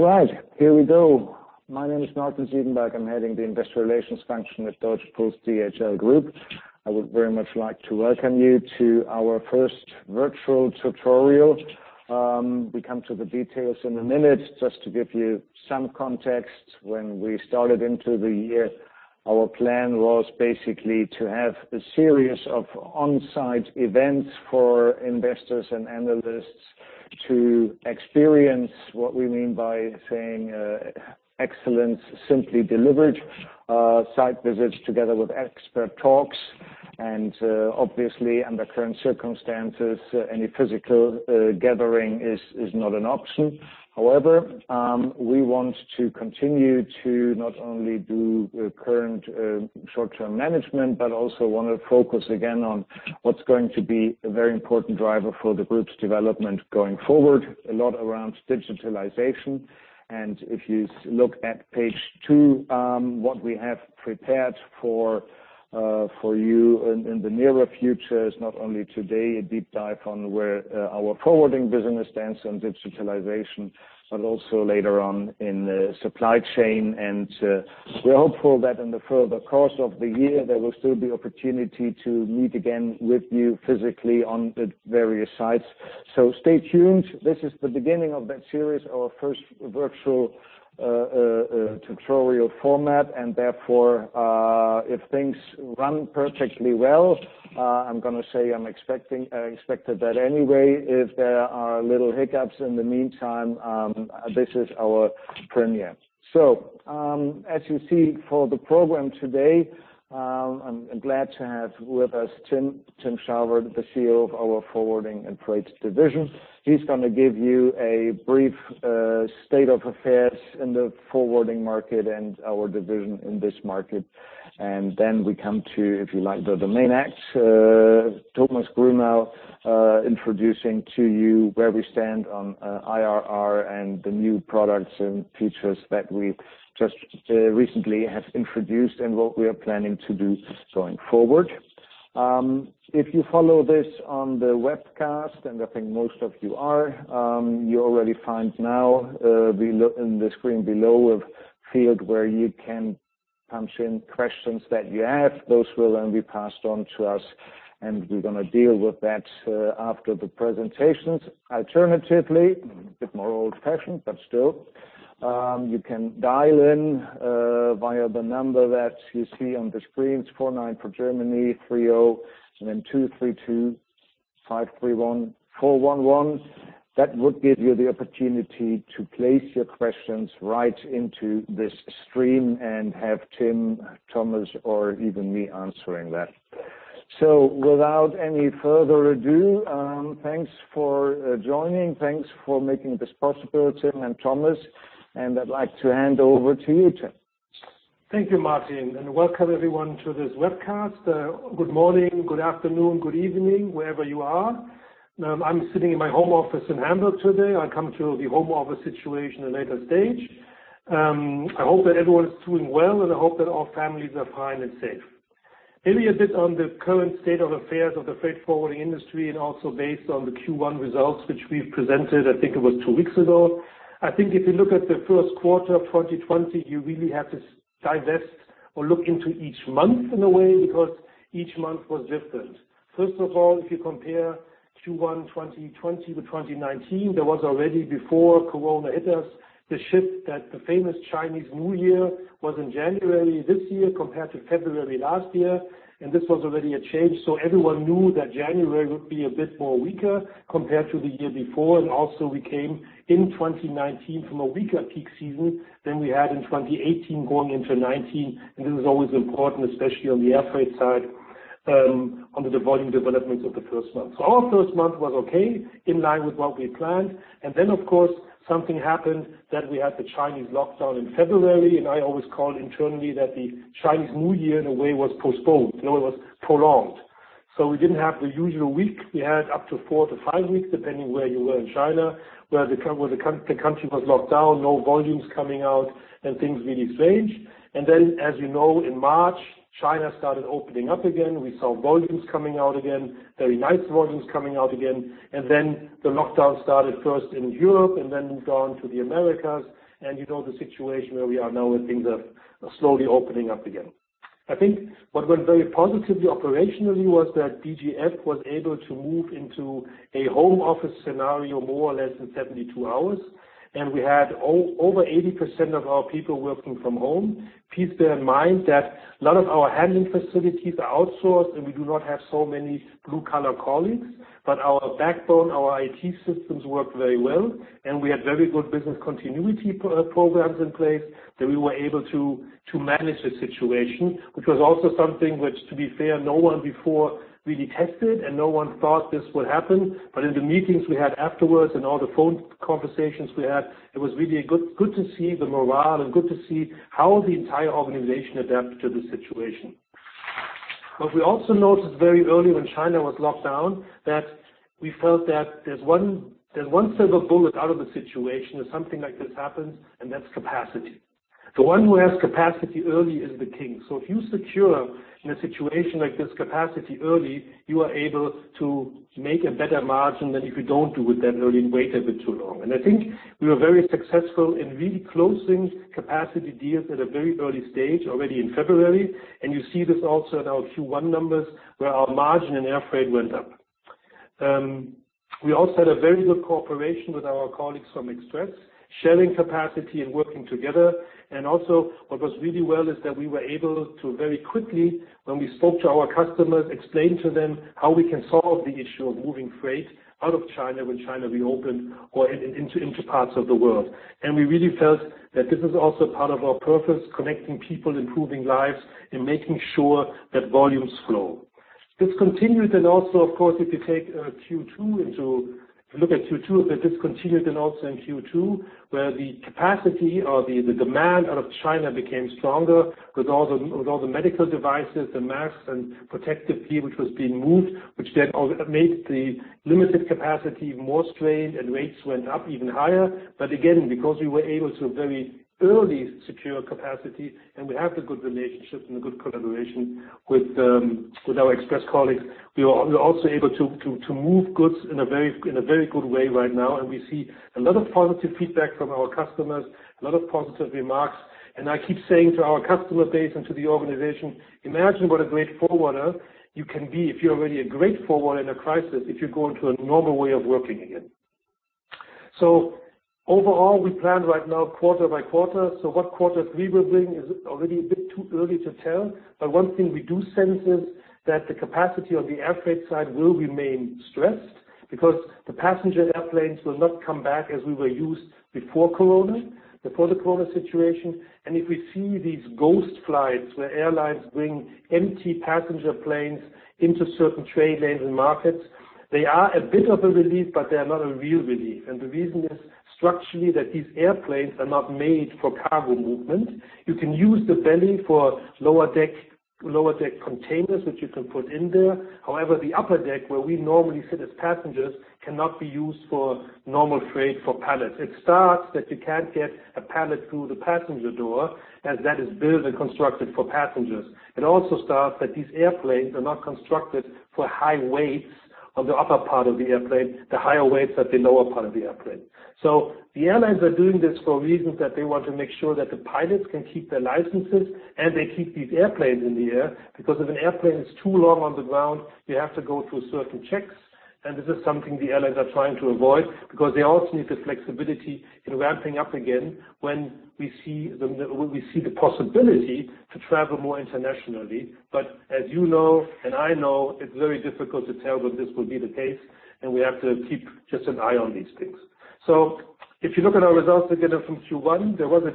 All right. Here we go. My name is Martin Seidenberg. I'm heading the investor relations function at Deutsche Post DHL Group. I would very much like to welcome you to our first virtual tutorial. We come to the details in a minute. Just to give you some context, when we started into the year, our plan was basically to have a series of on-site events for investors and analysts to experience what we mean by saying Excellence Simply Delivered. Site visits together with expert talks and, obviously, under current circumstances, any physical gathering is not an option. However, we want to continue to not only do current short-term management, but also want to focus again on what's going to be a very important driver for the group's development going forward, a lot around digitalization. If you look at page two, what we have prepared for you in the nearer future is not only today a deep dive on where our forwarding business stands on digitalization, but also later on in the supply chain. We're hopeful that in the further course of the year, there will still be opportunity to meet again with you physically on the various sites. Stay tuned. This is the beginning of that series, our first virtual tutorial format, and therefore, if things run perfectly well, I'm going to say I expected that anyway. If there are little hiccups in the meantime, this is our premiere. As you see for the program today, I'm glad to have with us Tim Scharwath, the CEO of our forwarding and freight division. He's going to give you a brief state of affairs in the forwarding market and our division in this market. We come to, if you like, the main act, Thomas Grumiau, introducing to you where we stand on IRR and the new products and features that we just recently have introduced and what we are planning to do going forward. If you follow this on the webcast, and I think most of you are, you already find now, in the screen below, a field where you can punch in questions that you have. Those will then be passed on to us, and we're going to deal with that after the presentations. Alternatively, a bit more old-fashioned, but still, you can dial in via the number that you see on the screen. It's 49 for Germany, 30, and then 232531411. That would give you the opportunity to place your questions right into this stream and have Tim, Thomas, or even me answering that. Without any further ado, thanks for joining. Thanks for making this possible, Tim and Thomas, and I’d like to hand over to you, Tim. Thank you, Martin, and welcome everyone to this webcast. Good morning, good afternoon, good evening, wherever you are. I'm sitting in my home office in Hamburg today. I come to the home office situation at a later stage. I hope that everyone is doing well, and I hope that all families are fine and safe. Maybe a bit on the current state of affairs of the freight forwarding industry and also based on the Q1 results, which we've presented, I think it was two weeks ago. I think if you look at the first quarter of 2020, you really have to divest or look into each month in a way because each month was different. First of all, if you compare Q1 2020 to 2019, there was already before COVID hit us, the shift that the famous Chinese New Year was in January this year compared to February last year. This was already a change. Everyone knew that January would be a bit more weaker compared to the year before. Also we came in 2019 from a weaker peak season than we had in 2018 going into 2019. This is always important, especially on the air freight side, on the volume developments of the first month. Our first month was okay, in line with what we had planned. Then of course, something happened that we had the Chinese lockdown in February, and I always call internally that the Chinese New Year in a way was postponed. It was prolonged. We didn't have the usual week. We had up to four to five weeks, depending where you were in China, where the country was locked down, no volumes coming out, and things really strange. Then, as you know, in March, China started opening up again. We saw volumes coming out again, very nice volumes coming out again. Then the lockdown started first in Europe and then moved on to the Americas. You know the situation where we are now, where things are slowly opening up again. I think what went very positively operationally was that DGF was able to move into a home office scenario more or less in 72 hours, and we had over 80% of our people working from home. Please bear in mind that a lot of our handling facilities are outsourced, and we do not have so many blue-collar colleagues, but our backbone, our IT systems worked very well, and we had very good business continuity programs in place that we were able to manage the situation, which was also something which, to be fair, no one before really tested, and no one thought this would happen. In the meetings we had afterwards and all the phone conversations we had, it was really good to see the morale and good to see how the entire organization adapt to the situation. What we also noticed very early when China was locked down, that we felt that there's one silver bullet out of the situation if something like this happens, and that's capacity. The one who has capacity early is the king. If you secure in a situation like this, capacity early, you are able to make a better margin than if you don't do it that early and wait a bit too long. I think we are very successful in really closing capacity deals at a very early stage already in February. You see this also in our Q1 numbers where our margin and air freight went up. We also had a very good cooperation with our colleagues from Express, sharing capacity and working together. Also what was really well is that we were able to very quickly, when we spoke to our customers, explain to them how we can solve the issue of moving freight out of China when China reopened or into parts of the world. We really felt that this is also part of our purpose, connecting people, improving lives, and making sure that volumes flow. This continued and also, of course, if you look at Q2, that this continued and also in Q2, where the capacity or the demand out of China became stronger with all the medical devices, the masks and protective gear, which was being moved, which then made the limited capacity more strained and rates went up even higher. Again, because we were able to very early secure capacity and we have the good relationships and the good collaboration with our Express colleagues, we are also able to move goods in a very good way right now. We see a lot of positive feedback from our customers, a lot of positive remarks. I keep saying to our customer base and to the organization, imagine what a great forwarder you can be if you're already a great forwarder in a crisis if you go into a normal way of working again. Overall, we planned right now quarter by quarter. What quarter three will bring is already a bit too early to tell. One thing we do sense is that the capacity on the air freight side will remain stressed because the passenger airplanes will not come back as we were used before the COVID situation. If we see these ghost flights where airlines bring empty passenger planes into certain trade lane and markets, they are a bit of a relief, but they are not a real relief. The reason is structurally that these airplanes are not made for cargo movement. You can use the belly for lower deck containers, which you can put in there. However, the upper deck, where we normally sit as passengers, cannot be used for normal freight for pallets. It starts that you can't get a pallet through the passenger door as that is built and constructed for passengers. It also starts that these airplanes are not constructed for high weights on the upper part of the airplane, the higher weights at the lower part of the airplane. The airlines are doing this for reasons that they want to make sure that the pilots can keep their licenses and they keep these airplanes in the air, because if an airplane is too long on the ground, you have to go through certain checks. This is something the airlines are trying to avoid because they also need the flexibility in ramping up again when we see the possibility to travel more internationally. As you know and I know, it's very difficult to tell whether this will be the case, and we have to keep just an eye on these things. If you look at our results again from Q1, there was a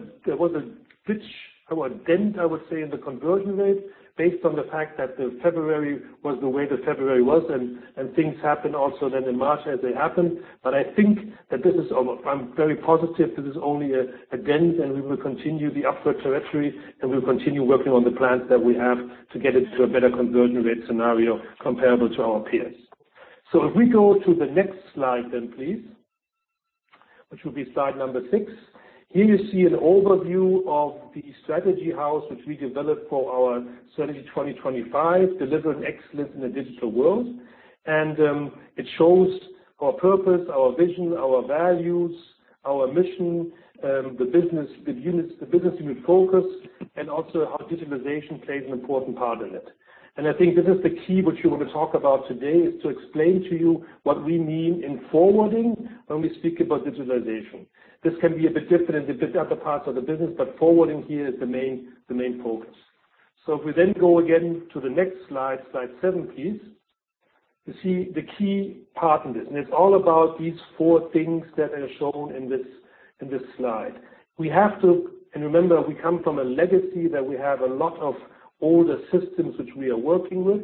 dent, I would say, in the conversion rate based on the fact that February was the way that February was and things happened also then in March as they happened. I'm very positive this is only a dent and we will continue the upward trajectory and we'll continue working on the plans that we have to get it to a better conversion rate scenario comparable to our peers. If we go to the next slide, please, which will be slide number six. Here you see an overview of the strategy house, which we developed for our Strategy 2025, Delivering Excellence in a Digital World. It shows our purpose, our vision, our values, our mission, the business unit focus, and also how digitalization plays an important part in it. I think this is the key which we want to talk about today, is to explain to you what we mean in forwarding when we speak about digitalization. This can be a bit different in the other parts of the business, but forwarding here is the main focus. If we go again to the next slide seven, please. You see the key part in this, it's all about these four things that are shown in this slide. Remember, we come from a legacy that we have a lot of older systems which we are working with.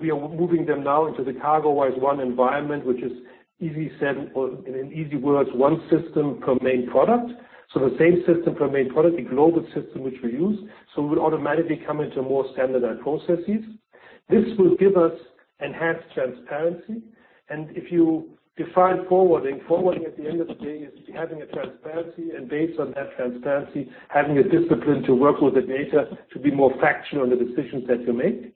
We are moving them now into the CargoWise One environment, which is, in easy words, one system per main product. The same system per main product, the global system which we use. We would automatically come into more standardized processes. This will give us enhanced transparency. If you define forwarding at the end of the day is having a transparency and based on that transparency, having a discipline to work with the data to be more factual in the decisions that you make.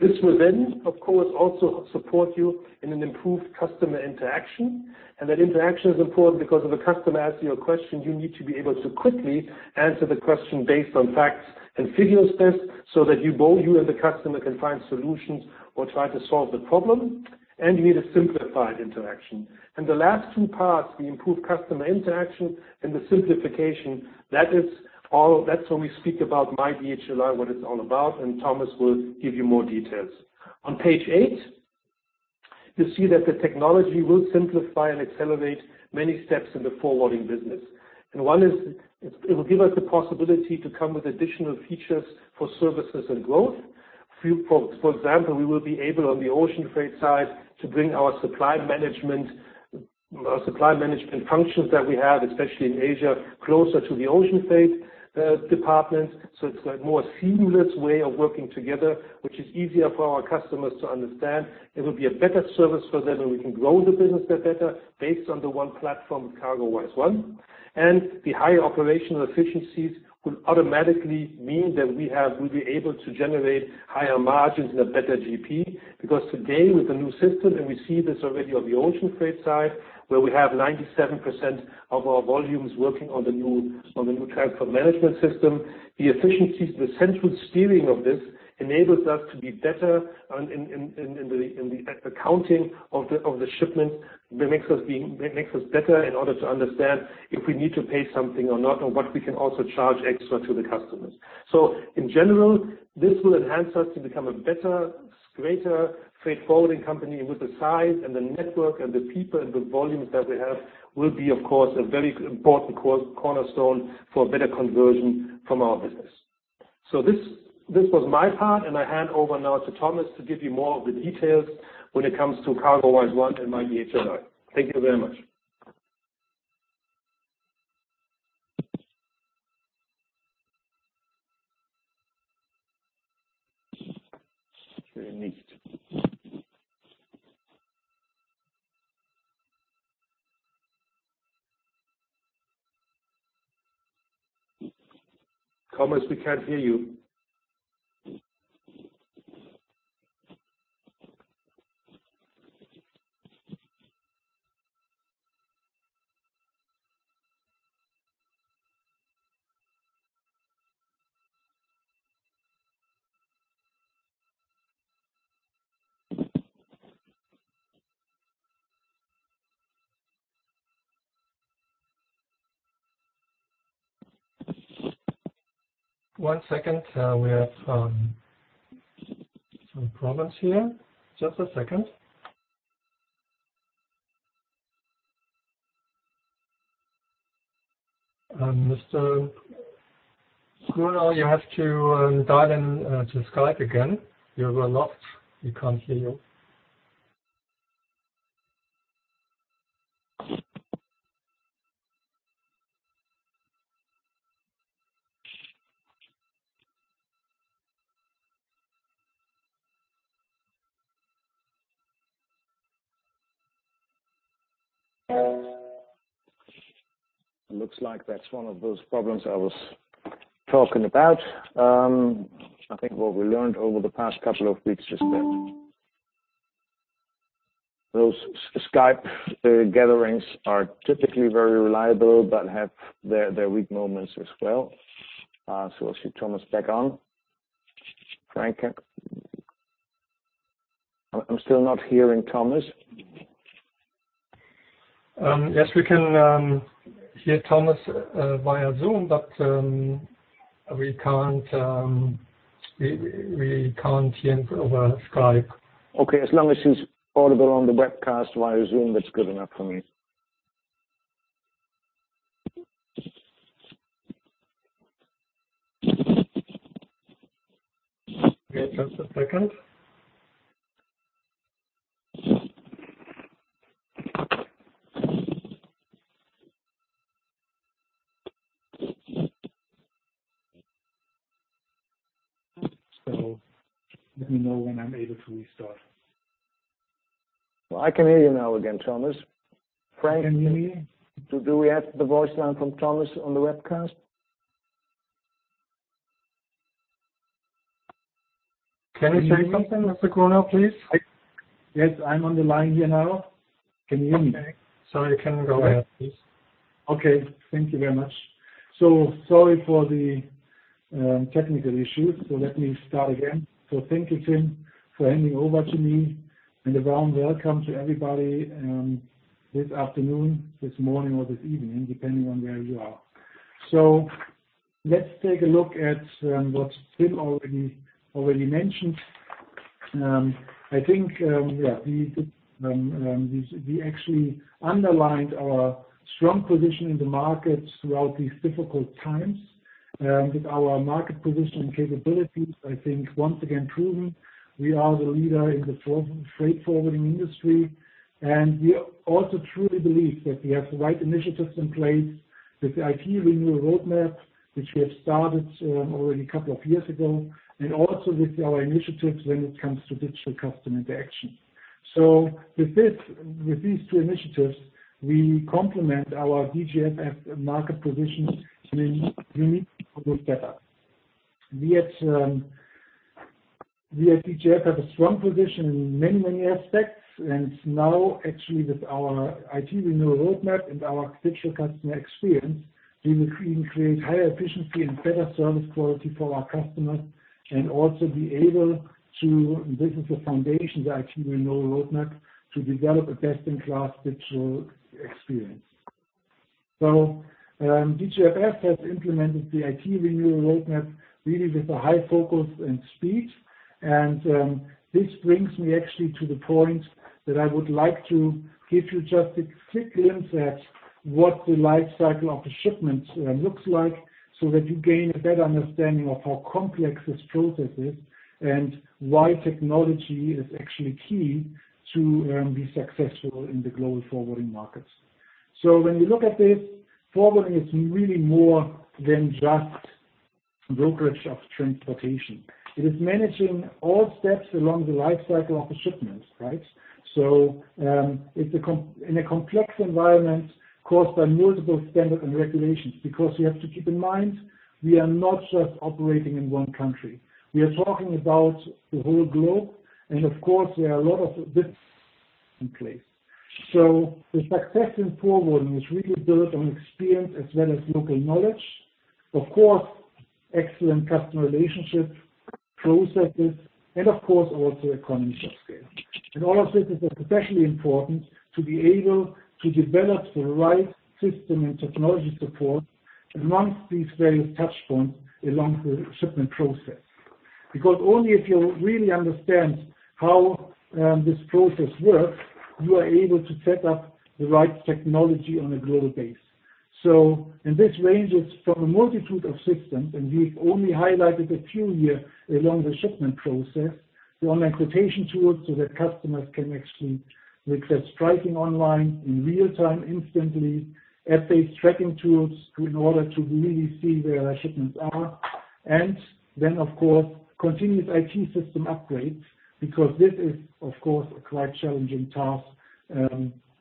This will then, of course, also support you in an improved customer interaction. That interaction is important because if a customer asks you a question, you need to be able to quickly answer the question based on facts and figures first, so that you both, you and the customer, can find solutions or try to solve the problem. You need a simplified interaction. The last two parts, the improved customer interaction and the simplification, that's when we speak about myDHLi, what it's all about, and Thomas will give you more details. On page eight, you see that the technology will simplify and accelerate many steps in the forwarding business. One is, it will give us the possibility to come with additional features for services and growth. For example, we will be able, on the ocean freight side, to bring our supply management functions that we have, especially in Asia, closer to the ocean freight department. It's a more seamless way of working together, which is easier for our customers to understand. It will be a better service for them, and we can grow the business better based on the one platform, CargoWise One. The higher operational efficiencies will automatically mean that we'll be able to generate higher margins and a better GP. Because today, with the new system, and we see this already on the ocean freight side, where we have 97% of our volumes working on the new transport management system. The efficiencies, the central steering of this, enables us to be better in the accounting of the shipments. It makes us better in order to understand if we need to pay something or not, or what we can also charge extra to the customers. In general, this will enhance us to become a better, greater freight forwarding company with the size and the network and the people and the volumes that we have, will be, of course, a very important cornerstone for better conversion from our business. This was my part, and I hand over now to Thomas to give you more of the details when it comes to CargoWise One and myDHLi. Thank you very much. Very neat. Thomas, we can't hear you. One second. We have some problems here. Just a second. Mr. Grumiau, you have to dial in to Skype again. You were locked. We can't hear you. Looks like that's one of those problems I was talking about. I think what we learned over the past couple of weeks is that those Skype gatherings are typically very reliable, but have their weak moments as well. I'll switch Thomas back on. I'm still not hearing Thomas. Yes, we can hear Thomas via Zoom, but we can't hear him over Skype. As long as he's audible on the webcast via Zoom, that's good enough for me. Okay, just a second. Let me know when I'm able to restart. I can hear you now again, Thomas. Can you hear me? Do we have the voice line from Thomas on the webcast? Can you hear me? Can you say something, Mr. Grumiau, please? Yes, I'm on the line here now. Can you hear me? Okay. Sorry, can we go ahead, please? Okay. Thank you very much. Sorry for the technical issues. Let me start again. Thank you, Tim, for handing over to me, and a warm welcome to everybody this afternoon, this morning, or this evening, depending on where you are. Let's take a look at what Tim already mentioned. I think, yeah, we actually underlined our strong position in the market throughout these difficult times with our market position and capabilities, I think, once again proven. We are the leader in the freight forwarding industry. We also truly believe that we have the right initiatives in place with the IT Renewal Roadmap, which we have started already a couple of years ago, and also with our initiatives when it comes to digital customer interaction. With these two initiatives, we complement our DGFF market position in a unique way, for the better. We at DGF have a strong position in many aspects. Now, actually, with our IT Renewal Roadmap and our digital customer experience, we will even create higher efficiency and better service quality for our customers and also be able to. This is the foundation, the IT Renewal Roadmap, to develop a best-in-class digital experience. DGFF has implemented the IT Renewal Roadmap really with a high focus and speed. This brings me actually to the point that I would like to give you just a quick glimpse at what the life cycle of the shipments looks like, so that you gain a better understanding of how complex this process is and why technology is actually key to be successful in the global forwarding markets. When we look at this, forwarding is really more than just brokerage of transportation. It is managing all steps along the life cycle of a shipment, right, in a complex environment caused by multiple standards and regulations. You have to keep in mind, we are not just operating in one country. We are talking about the whole globe, and of course, there are a lot of bits in place. The success in forwarding is really built on experience as well as local knowledge, of course, excellent customer relationships, processes, and of course, also economies of scale. All of this is especially important to be able to develop the right system and technology support amongst these various touch points along the shipment process. Only if you really understand how this process works, you are able to set up the right technology on a global base. This ranges from a multitude of systems, and we've only highlighted a few here along the shipment process. One, a quotation tool so that customers can actually request pricing online in real time instantly. Airfreight tracking tools in order to really see where our shipments are. Of course, continuous IT system upgrades because this is, of course, a quite challenging task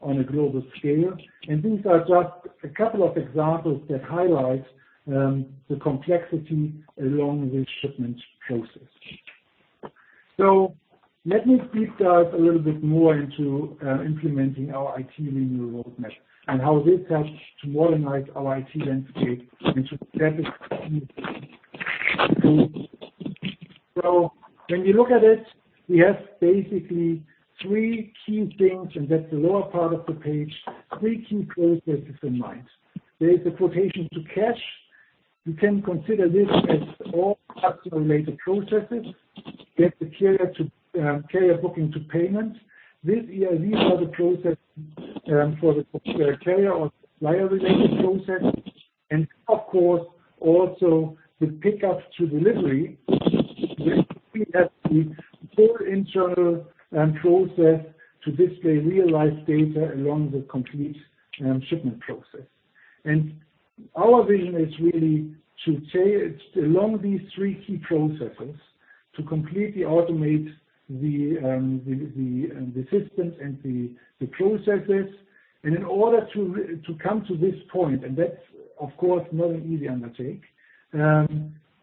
on a global scale. These are just a couple of examples that highlight the complexity along the shipment process. Let me speak to us a little bit more into implementing our IT Renewal Roadmap and how this helps to modernize our IT landscape. When we look at it, we have basically three key things, and that's the lower part of the page. Three key processes in mind. There is the quotation to cash. You can consider this as all customer-related processes. Get the carrier booking to payment. These are the processes for the carrier or supplier-related processes. Of course, also the pickup to delivery where we have the full internal process to display realized data along the complete shipment process. Our vision is really to say it's along these three key processes to completely automate the systems and the processes. In order to come to this point, that's of course, no easy undertake.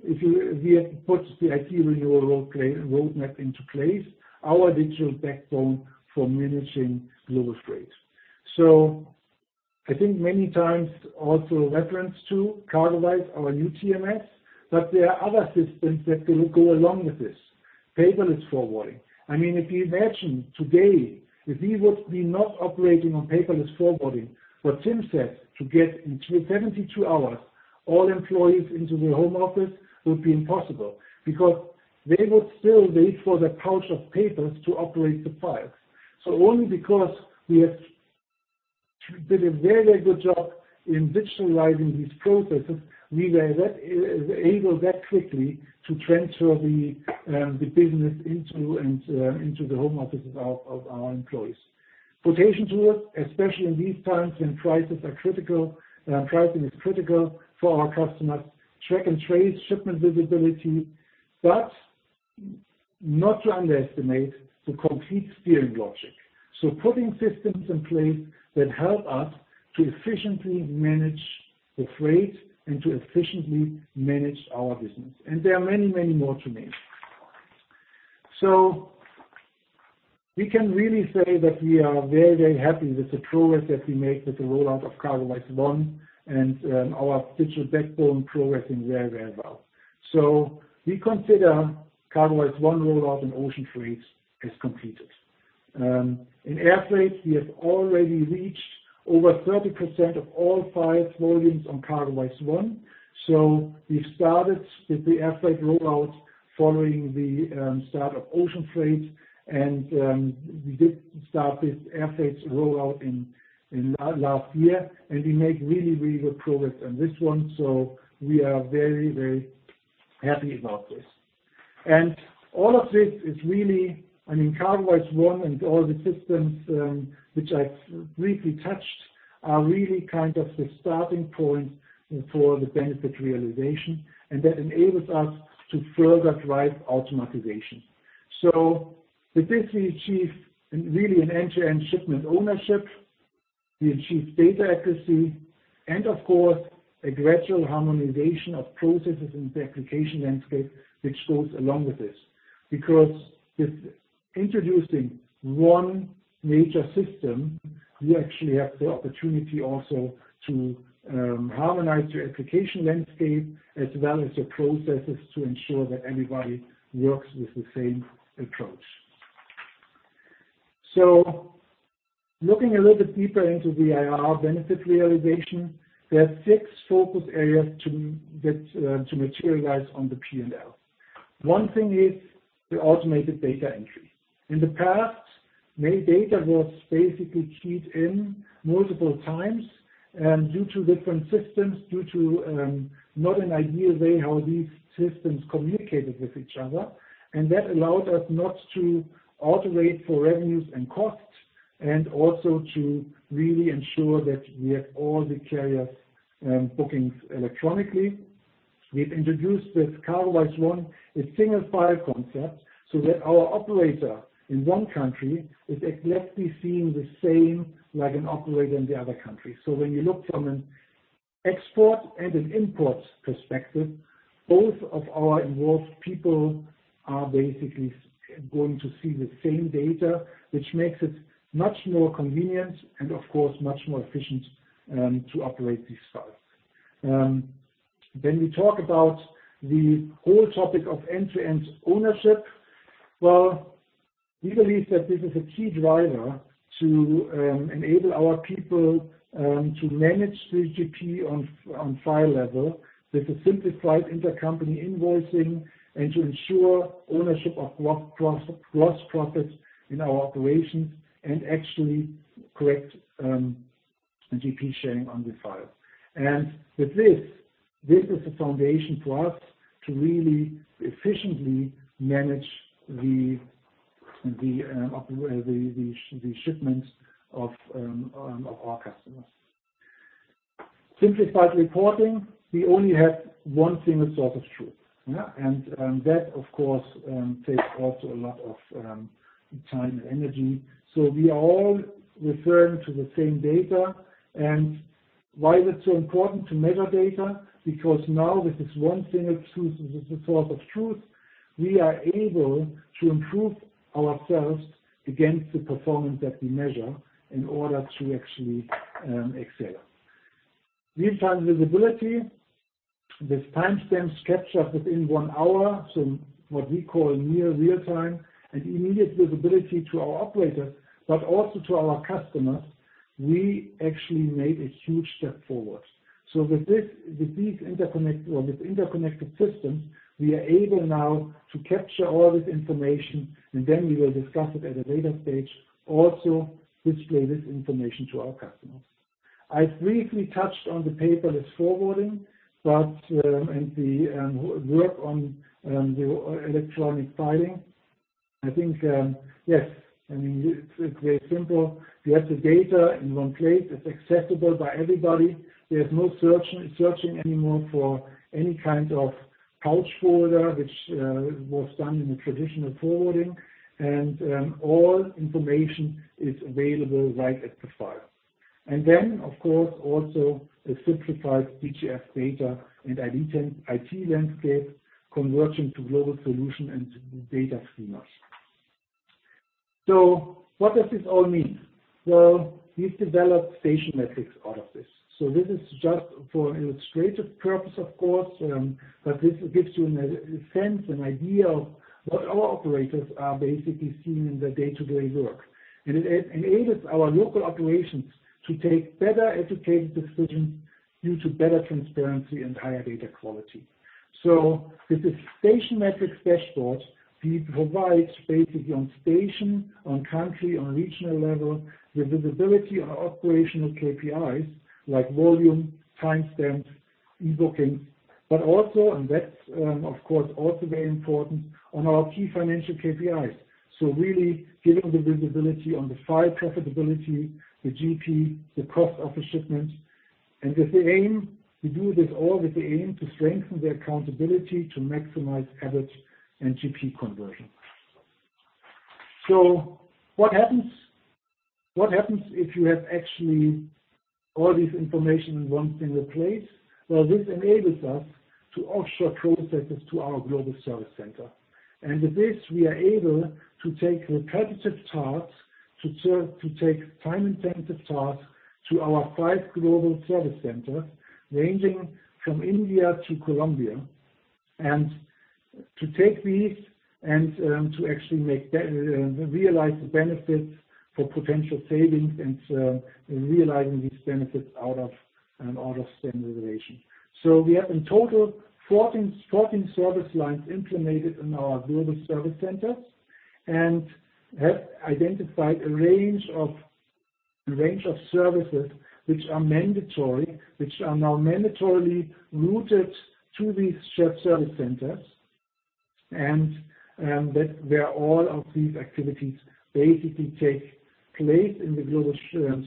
If we put the IT Renewal Roadmap into place, our digital backbone for managing global freight. I think many times also reference to CargoWise, our new TMS, but there are other systems that will go along with this. Paperless forwarding. If you imagine today, if we would be not operating on paperless forwarding, what Tim said to get in 72 hours all employees into their home office would be impossible because they would still wait for the pouch of papers to operate the files. Only because we have did a very good job in digitalizing these processes, we were able that quickly to transfer the business into the home offices of our employees. Quotation tools, especially in these times when prices are critical, pricing is critical for our customers. Track and trace shipment visibility, not to underestimate the complete steering logic. Putting systems in place that help us to efficiently manage the freight and to efficiently manage our business. There are many more to name. We can really say that we are very happy with the progress that we made with the rollout of CargoWise One and our digital backbone progressing very well. We consider CargoWise One rollout and ocean freight as completed. In airfreight, we have already reached over 30% of all files volumes on CargoWise One. We've started with the airfreight rollout following the start of ocean freight. We did start this airfreight rollout in last year, and we made really good progress on this one. We are very happy about this. All of this is really CargoWise One and all the systems which I've briefly touched are really the starting point for the Benefit Realization, and that enables us to further drive automatization. With this we achieve really an end-to-end shipment ownership. We achieve data accuracy and of course, a gradual harmonization of processes in the application landscape which goes along with this. With introducing one major system, you actually have the opportunity also to harmonize your application landscape as well as your processes to ensure that everybody works with the same approach. Looking a little bit deeper into [BIR], benefit realization, there are six focus areas to materialize on the P&L. One thing is the automated data entry. In the past, many data was basically keyed in multiple times and due to different systems, due to not an ideal way how these systems communicated with each other. That allowed us not to automate for revenues and costs and also to really ensure that we have all the carriers bookings electronically. We've introduced with CargoWise One, a single file concept, that our operator in one country is exactly seeing the same like an operator in the other country. When you look from an export and an import perspective, both of our involved people are basically going to see the same data, which makes it much more convenient and of course, much more efficient to operate these files. We talk about the whole topic of end-to-end ownership. Well, we believe that this is a key driver to enable our people to manage the GP on file level with a simplified intercompany invoicing and to ensure ownership of gross profits in our operations and actually correct GP sharing on the file. With this is a foundation for us to really efficiently manage the shipments of our customers. Simplified reporting, we only have one single source of truth. That, of course, takes also a lot of time and energy. We are all referring to the same data. Why is it so important to measure data? Because now with this one single source of truth, we are able to improve ourselves against the performance that we measure in order to actually excel. Real-time visibility with timestamps captured within one hour, so what we call near real-time and immediate visibility to our operator, but also to our customers. We actually made a huge step forward. With these interconnected systems, we are able now to capture all this information, and then we will discuss it at a later stage, also display this information to our customers. I briefly touched on the paperless forwarding and the work on the electronic filing. I think, yes, it's very simple. We have the data in one place. It's accessible by everybody. There's no searching anymore for any kind of pouch folder, which was done in the traditional forwarding. All information is available right at the file. Of course, also a simplified DGF data and IT landscape converging to global solution and data schemas. What does this all mean? We've developed station metrics out of this. This is just for illustrative purpose, of course, but this gives you a sense and idea of what our operators are basically seeing in the day-to-day work. It enables our local operations to take better educated decisions due to better transparency and higher data quality. With the station metric dashboards, we provide basically on station, on country, on regional level, the visibility of our operational KPIs like volume, timestamps, e-booking, but also, and that's of course, also very important on our key financial KPIs. Really giving the visibility on the file profitability, the GP, the cost of the shipment, and with the aim to do this all with the aim to strengthen the accountability to maximize average and GP conversion. What happens if you have actually all this information in one single place? Well, this enables us to offshore processes to our global service center. With this, we are able to take repetitive tasks, to take time-intensive tasks to our five global service centers, ranging from India to Colombia. To take these and to actually realize the benefits for potential savings and realizing these benefits out of standardization. We have in total 14 service lines implemented in our global service centers and have identified a range of services which are mandatory, which are now mandatorily routed to these shared service centers. That where all of these activities basically take place in the global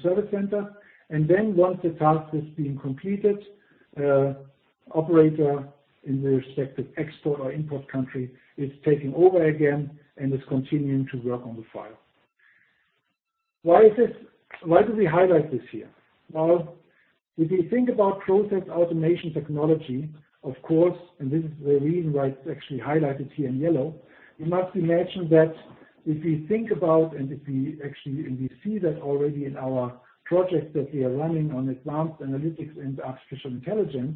service center. Then once the task is being completed, operator in the respective export or import country is taking over again and is continuing to work on the file. Why do we highlight this here? Well, if you think about process automation technology, of course, this is the reason why it's actually highlighted here in yellow, we must imagine that if we think about and if we actually, we see that already in our projects that we are running on advanced analytics and artificial intelligence,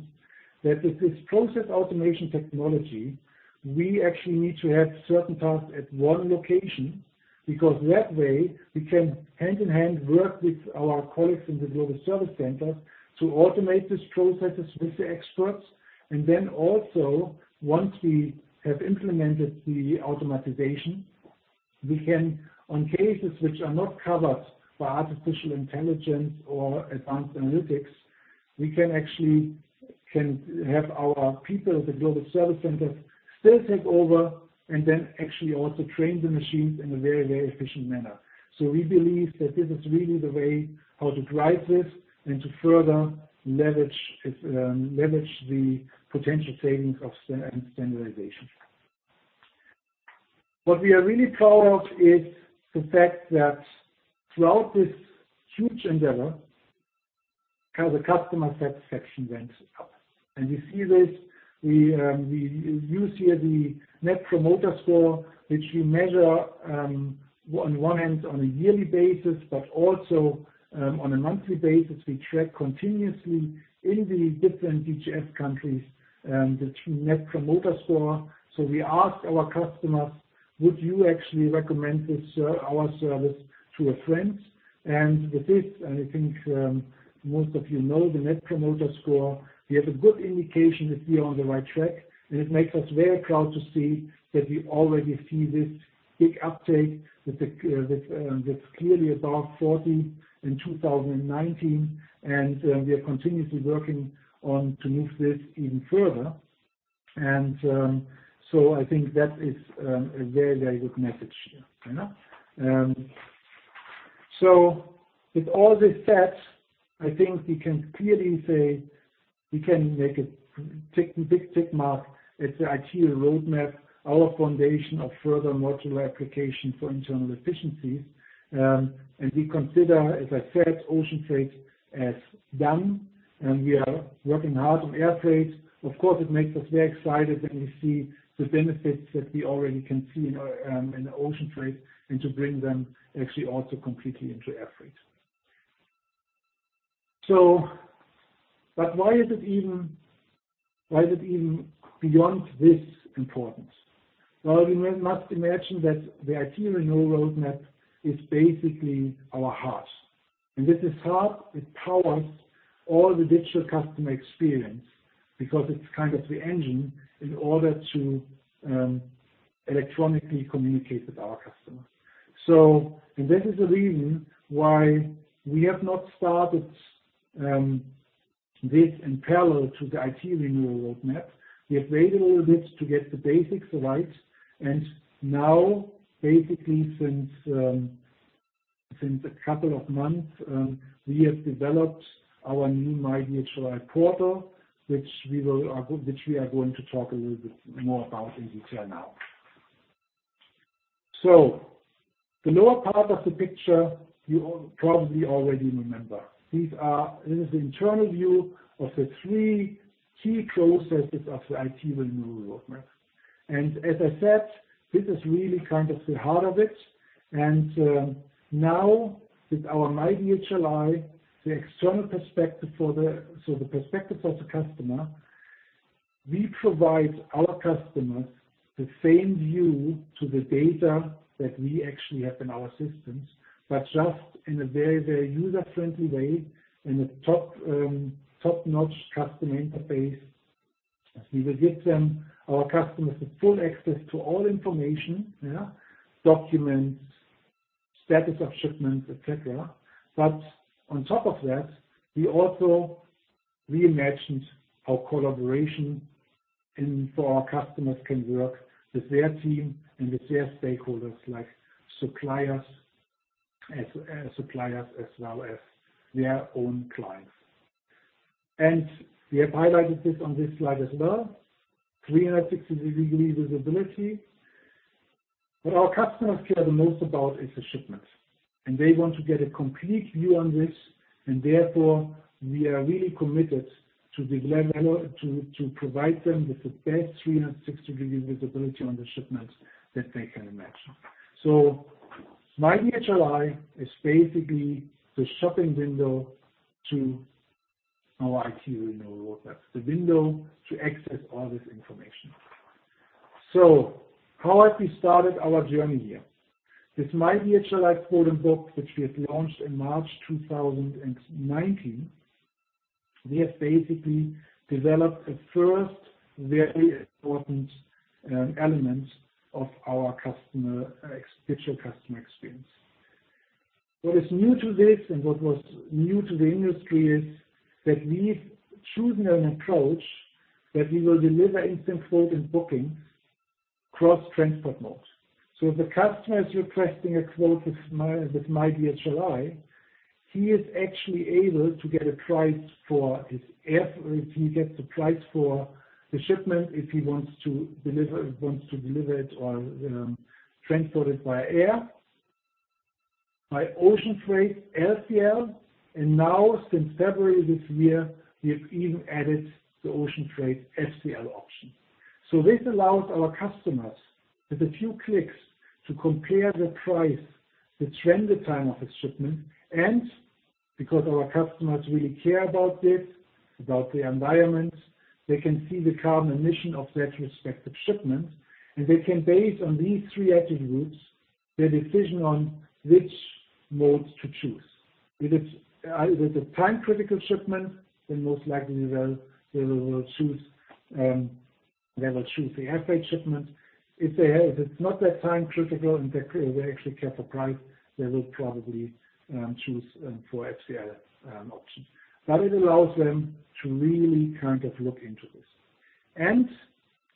that with this process automation technology, we actually need to have certain tasks at one location because that way, we can hand in hand work with our colleagues in the global service centers to automate these processes with the experts. Also, once we have implemented the automatization, we can, on cases which are not covered by Artificial Intelligence or Advanced Analytics, we can actually have our people at the global service centers still take over and then actually also train the machines in a very efficient manner. We believe that this is really the way how to drive this and to further leverage the potential savings of standardization. What we are really proud of is the fact that throughout this huge endeavor, how the customer satisfaction went up. We see this, we use here the Net Promoter Score, which we measure on one end on a yearly basis, but also on a monthly basis. We track continuously in the different DGF countries, the Net Promoter Score. We ask our customers: Would you actually recommend our service to a friend? With this, I think most of you know the Net Promoter Score, we have a good indication that we are on the right track, and it makes us very proud to see that we already see this big uptake that's clearly above 40 in 2019, and we are continuously working on to move this even further. I think that is a very, very good message. With all this said, I think we can clearly say we can make a big tick mark at the IT Renewal Roadmap, our foundation of further module application for internal efficiencies. We consider, as I said, ocean freight as done, and we are working hard on air freight. Of course, it makes us very excited that we see the benefits that we already can see in the ocean freight and to bring them actually also completely into air freight. Why is it even beyond this important? Well, we must imagine that the IT Renewal Roadmap is basically our heart. This heart, it powers all the digital customer experience because it's kind of the engine in order to electronically communicate with our customers. This is the reason why we have not started this in parallel to the IT Renewal Roadmap. We have waited a little bit to get the basics right, and now basically since a couple of months, we have developed our new myDHLi portal, which we are going to talk a little bit more about in detail now. The lower part of the picture, you probably already remember. This is the internal view of the three key processes of the IT Renewal Roadmap. As I said, this is really kind of the heart of it. Now with our myDHLi, the perspective of the customer, we provide our customers the same view to the data that we actually have in our systems, but just in a very user-friendly way in a top-notch customer interface. We will give our customers the full access to all information. Documents, status of shipments, et cetera. On top of that, we also reimagined our collaboration for our customers can work with their team and with their stakeholders like suppliers as well as their own clients. We have highlighted this on this slide as well, 360-degree visibility. What our customers care the most about is the shipments, and they want to get a complete view on this, and therefore, we are really committed to provide them with the best 360-degree visibility on the shipments that they can imagine. myDHLi is basically the shopping window to our IT Renewal Roadmap. The window to access all this information. How have we started our journey here? This myDHLi Quote + Book, which we have launched in March 2019, we have basically developed the first very important element of our digital customer experience. What is new to this and what was new to the industry is that we've chosen an approach that we will deliver instant Quote + Booking cross-transport modes. If the customer is requesting a quote with myDHLi, he is actually able to get a price for his air, or he gets the price for the shipment if he wants to deliver it or transport it via air, by ocean freight LCL, and now since February this year, we have even added the ocean freight FCL option. This allows our customers, with a few clicks, to compare the price, the transit time of his shipment. Because our customers really care about this, about the environment. They can see the carbon emission of their respective shipments, and they can base on these three attributes their decision on which modes to choose. If it's a time-critical shipment, then most likely they will choose the air freight shipment. If it's not that time critical and they actually care for price, they will probably choose for FCL option. It allows them to really look into this.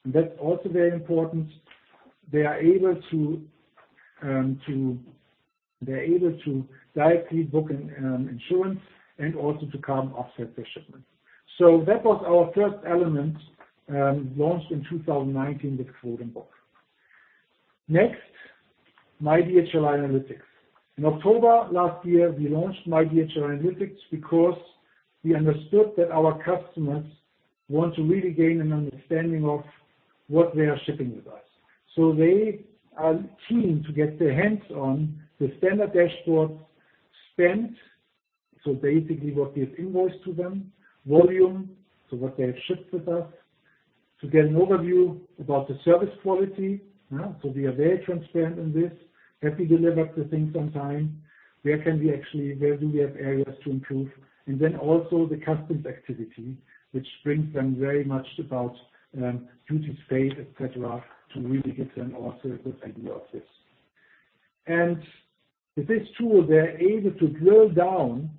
That's also very important, they're able to directly book insurance and also to carbon offset their shipment. That was our first element launched in 2019 with Quote and Book. Next, myDHLi Analytics. In October last year, we launched myDHLi Analytics because we understood that our customers want to really gain an understanding of what they are shipping with us. They are keen to get their hands on the standard dashboards spent, so basically what we have invoiced to them, volume, so what they have shipped with us. To get an overview about the service quality. We are very transparent in this. Have we delivered the things on time? Where do we have areas to improve? Also the customs activity, which brings them very much about duty paid, et cetera, to really give them also a good idea of this. With this tool, they're able to drill down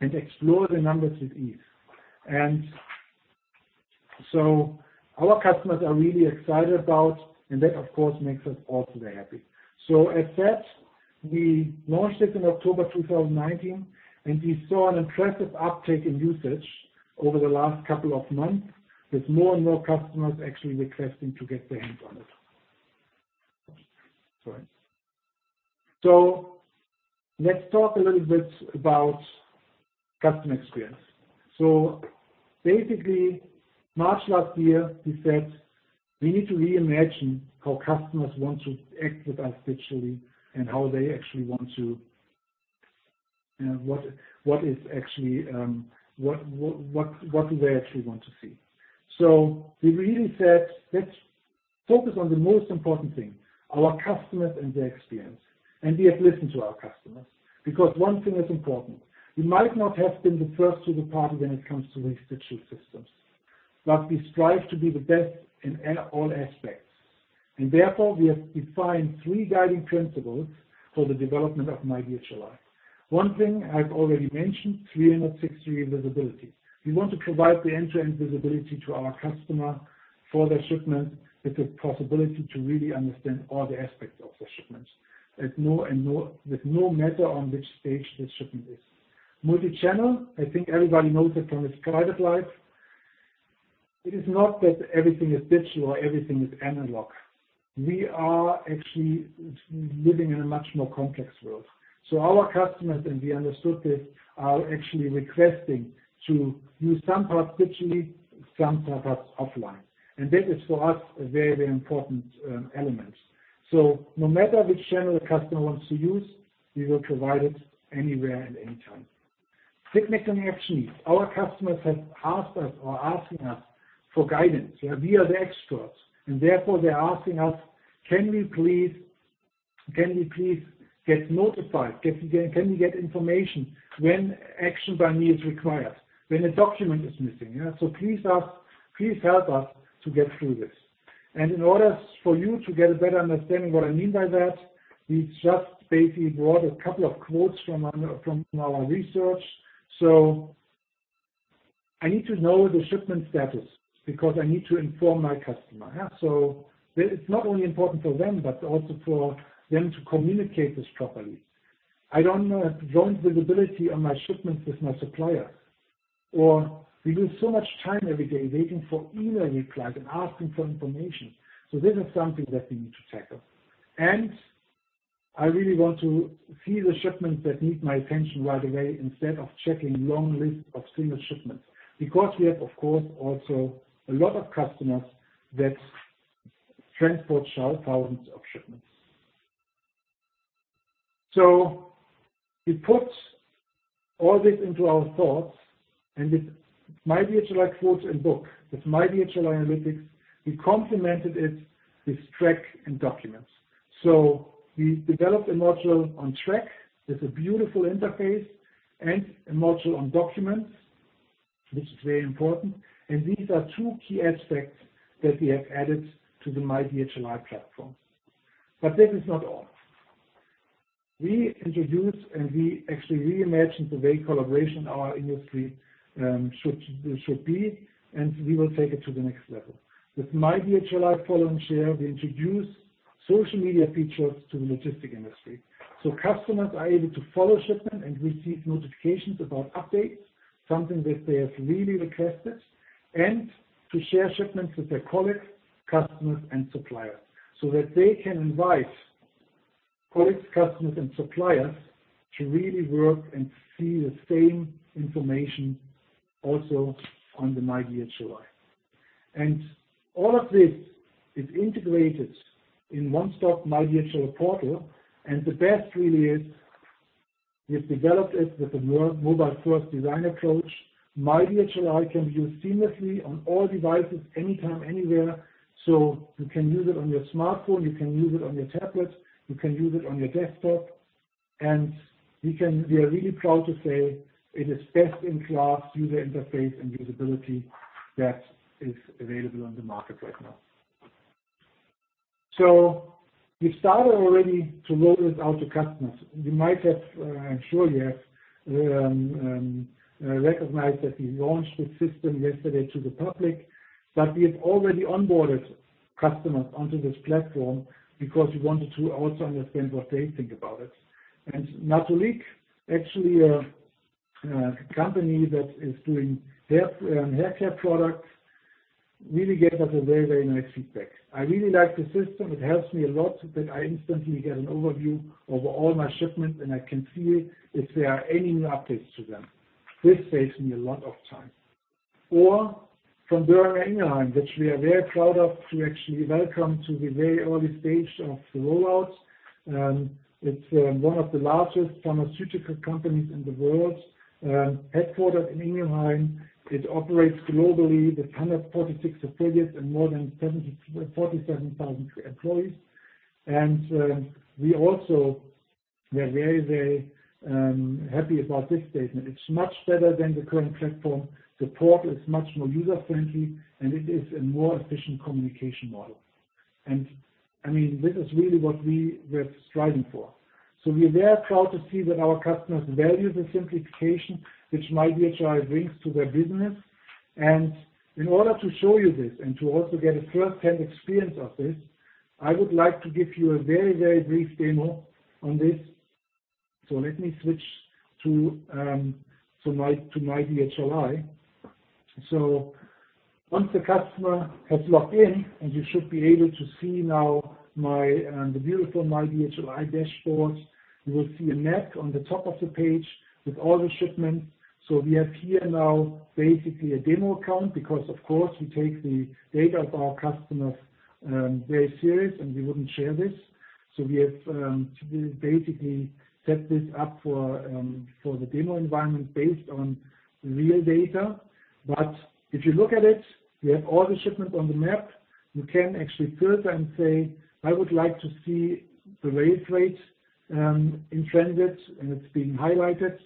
and explore the numbers with ease. Our customers are really excited about, and that of course, makes us also very happy. As said, we launched it in October 2019, and we saw an impressive uptake in usage over the last couple of months with more and more customers actually requesting to get their hands on it. Sorry. Let's talk a little bit about customer experience. Basically, March last year, we said we need to reimagine how customers want to act with us digitally and what do they actually want to see. We really said, "Let's focus on the most important thing, our customers and their experience." We have listened to our customers. Because one thing is important, we might not have been the first to the party when it comes to these digital systems, but we strive to be the best in all aspects. Therefore, we have defined three guiding principles for the development of myDHLi. One thing I've already mentioned, 360 visibility. We want to provide the end-to-end visibility to our customer for their shipment with the possibility to really understand all the aspects of their shipments, with no matter on which stage the shipment is. Multi-channel, I think everybody knows it from his private life. It is not that everything is digital or everything is analog. We are actually living in a much more complex world. Our customers, and we understood this, are actually requesting to use some parts digitally, some parts offline. This is for us, a very important element. No matter which channel the customer wants to use, we will provide it anywhere and anytime. [Technical action needs]. Our customers have asked us or are asking us for guidance. We are the experts, and therefore they're asking us, "Can we please get notified? Can we get information when action by me is required, when a document is missing? Please help us to get through this." In order for you to get a better understanding what I mean by that, we just basically brought a couple of quotes from our research. "I need to know the shipment status because I need to inform my customer." It's not only important for them, but also for them to communicate this properly. "I don't have joint visibility on my shipments with my supplier." "We lose so much time every day waiting for email replies and asking for information." This is something that we need to tackle. I really want to see the shipments that need my attention right away instead of checking long list of single shipments. We have, of course, also a lot of customers that transport thousands of shipments. We put all this into our thoughts and with myDHLi Quote + Book, with myDHLi Analytics, we complemented it with Track and Documents. We developed a module on Track with a beautiful interface and a module on Documents, which is very important. These are two key aspects that we have added to the myDHLi platform. This is not all. We introduced and we actually reimagined the way collaboration in our industry should be, and we will take it to the next level. With myDHLi Follow and Share, we introduce social media features to the logistics industry. Customers are able to follow shipment and receive notifications about updates, something that they have really requested, and to share shipments with their colleagues, customers, and suppliers. That they can invite colleagues, customers, and suppliers to really work and see the same information also on the myDHLi. All of this is integrated in one-stop myDHLi portal, and the best really is we've developed it with a mobile first design approach. myDHLi can be used seamlessly on all devices, anytime, anywhere. You can use it on your smartphone, you can use it on your tablet, you can use it on your desktop. We are really proud to say it is best-in-class user interface and usability that is available on the market right now. We've started already to roll this out to customers. You might have, I'm sure you have, recognized that we launched this system yesterday to the public. We have already onboarded customers onto this platform because we wanted to also understand what they think about it. NATULIQUE, actually a company that is doing hair care products, really gave us a very, very nice feedback. "I really like the system. It helps me a lot that I instantly get an overview over all my shipments and I can see if there are any new updates to them. This saves me a lot of time." From Boehringer Ingelheim, which we are very proud of to actually welcome to the very early stage of the rollout. It's one of the largest pharmaceutical companies in the world, headquartered in Ingelheim. It operates globally with 146 affiliates and more than 47,000 employees. We also were very, very happy about this statement. It's much better than the current platform. The portal is much more user-friendly and it is a more efficient communication model. This is really what we were striving for. We are very proud to see that our customers value the simplification which myDHLi brings to their business. In order to show you this and to also get a firsthand experience of this, I would like to give you a very, very brief demo on this. Let me switch to myDHLi. Once the customer has logged in and you should be able to see now the beautiful myDHLi dashboard. You will see a map on the top of the page with all the shipments. We have here now basically a demo account because of course we take the data of our customers very serious and we wouldn't share this. We have basically set this up for the demo environment based on real data. If you look at it, we have all the shipments on the map. You can actually filter and say, "I would like to see the late freight in transit," and it's being highlighted.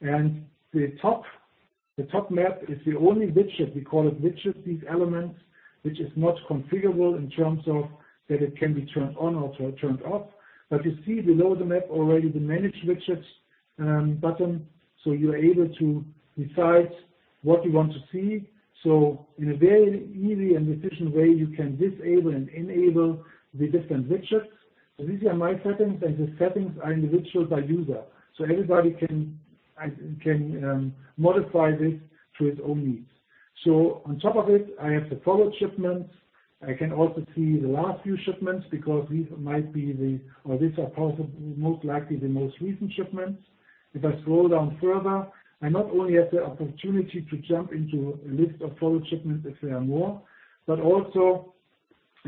The top map is the only widget, we call it widget, these elements which is not configurable in terms of that it can be turned on or turned off. You see below the map already the Manage Widgets button. You are able to decide what you want to see. In a very easy and efficient way you can disable and enable the different widgets. These are my settings and the settings are individual by user. Everybody can modify this to its own needs. On top of it, I have the followed shipments. I can also see the last few shipments because these are most likely the most recent shipments. If I scroll down further, I not only have the opportunity to jump into a list of followed shipments if there are more, but also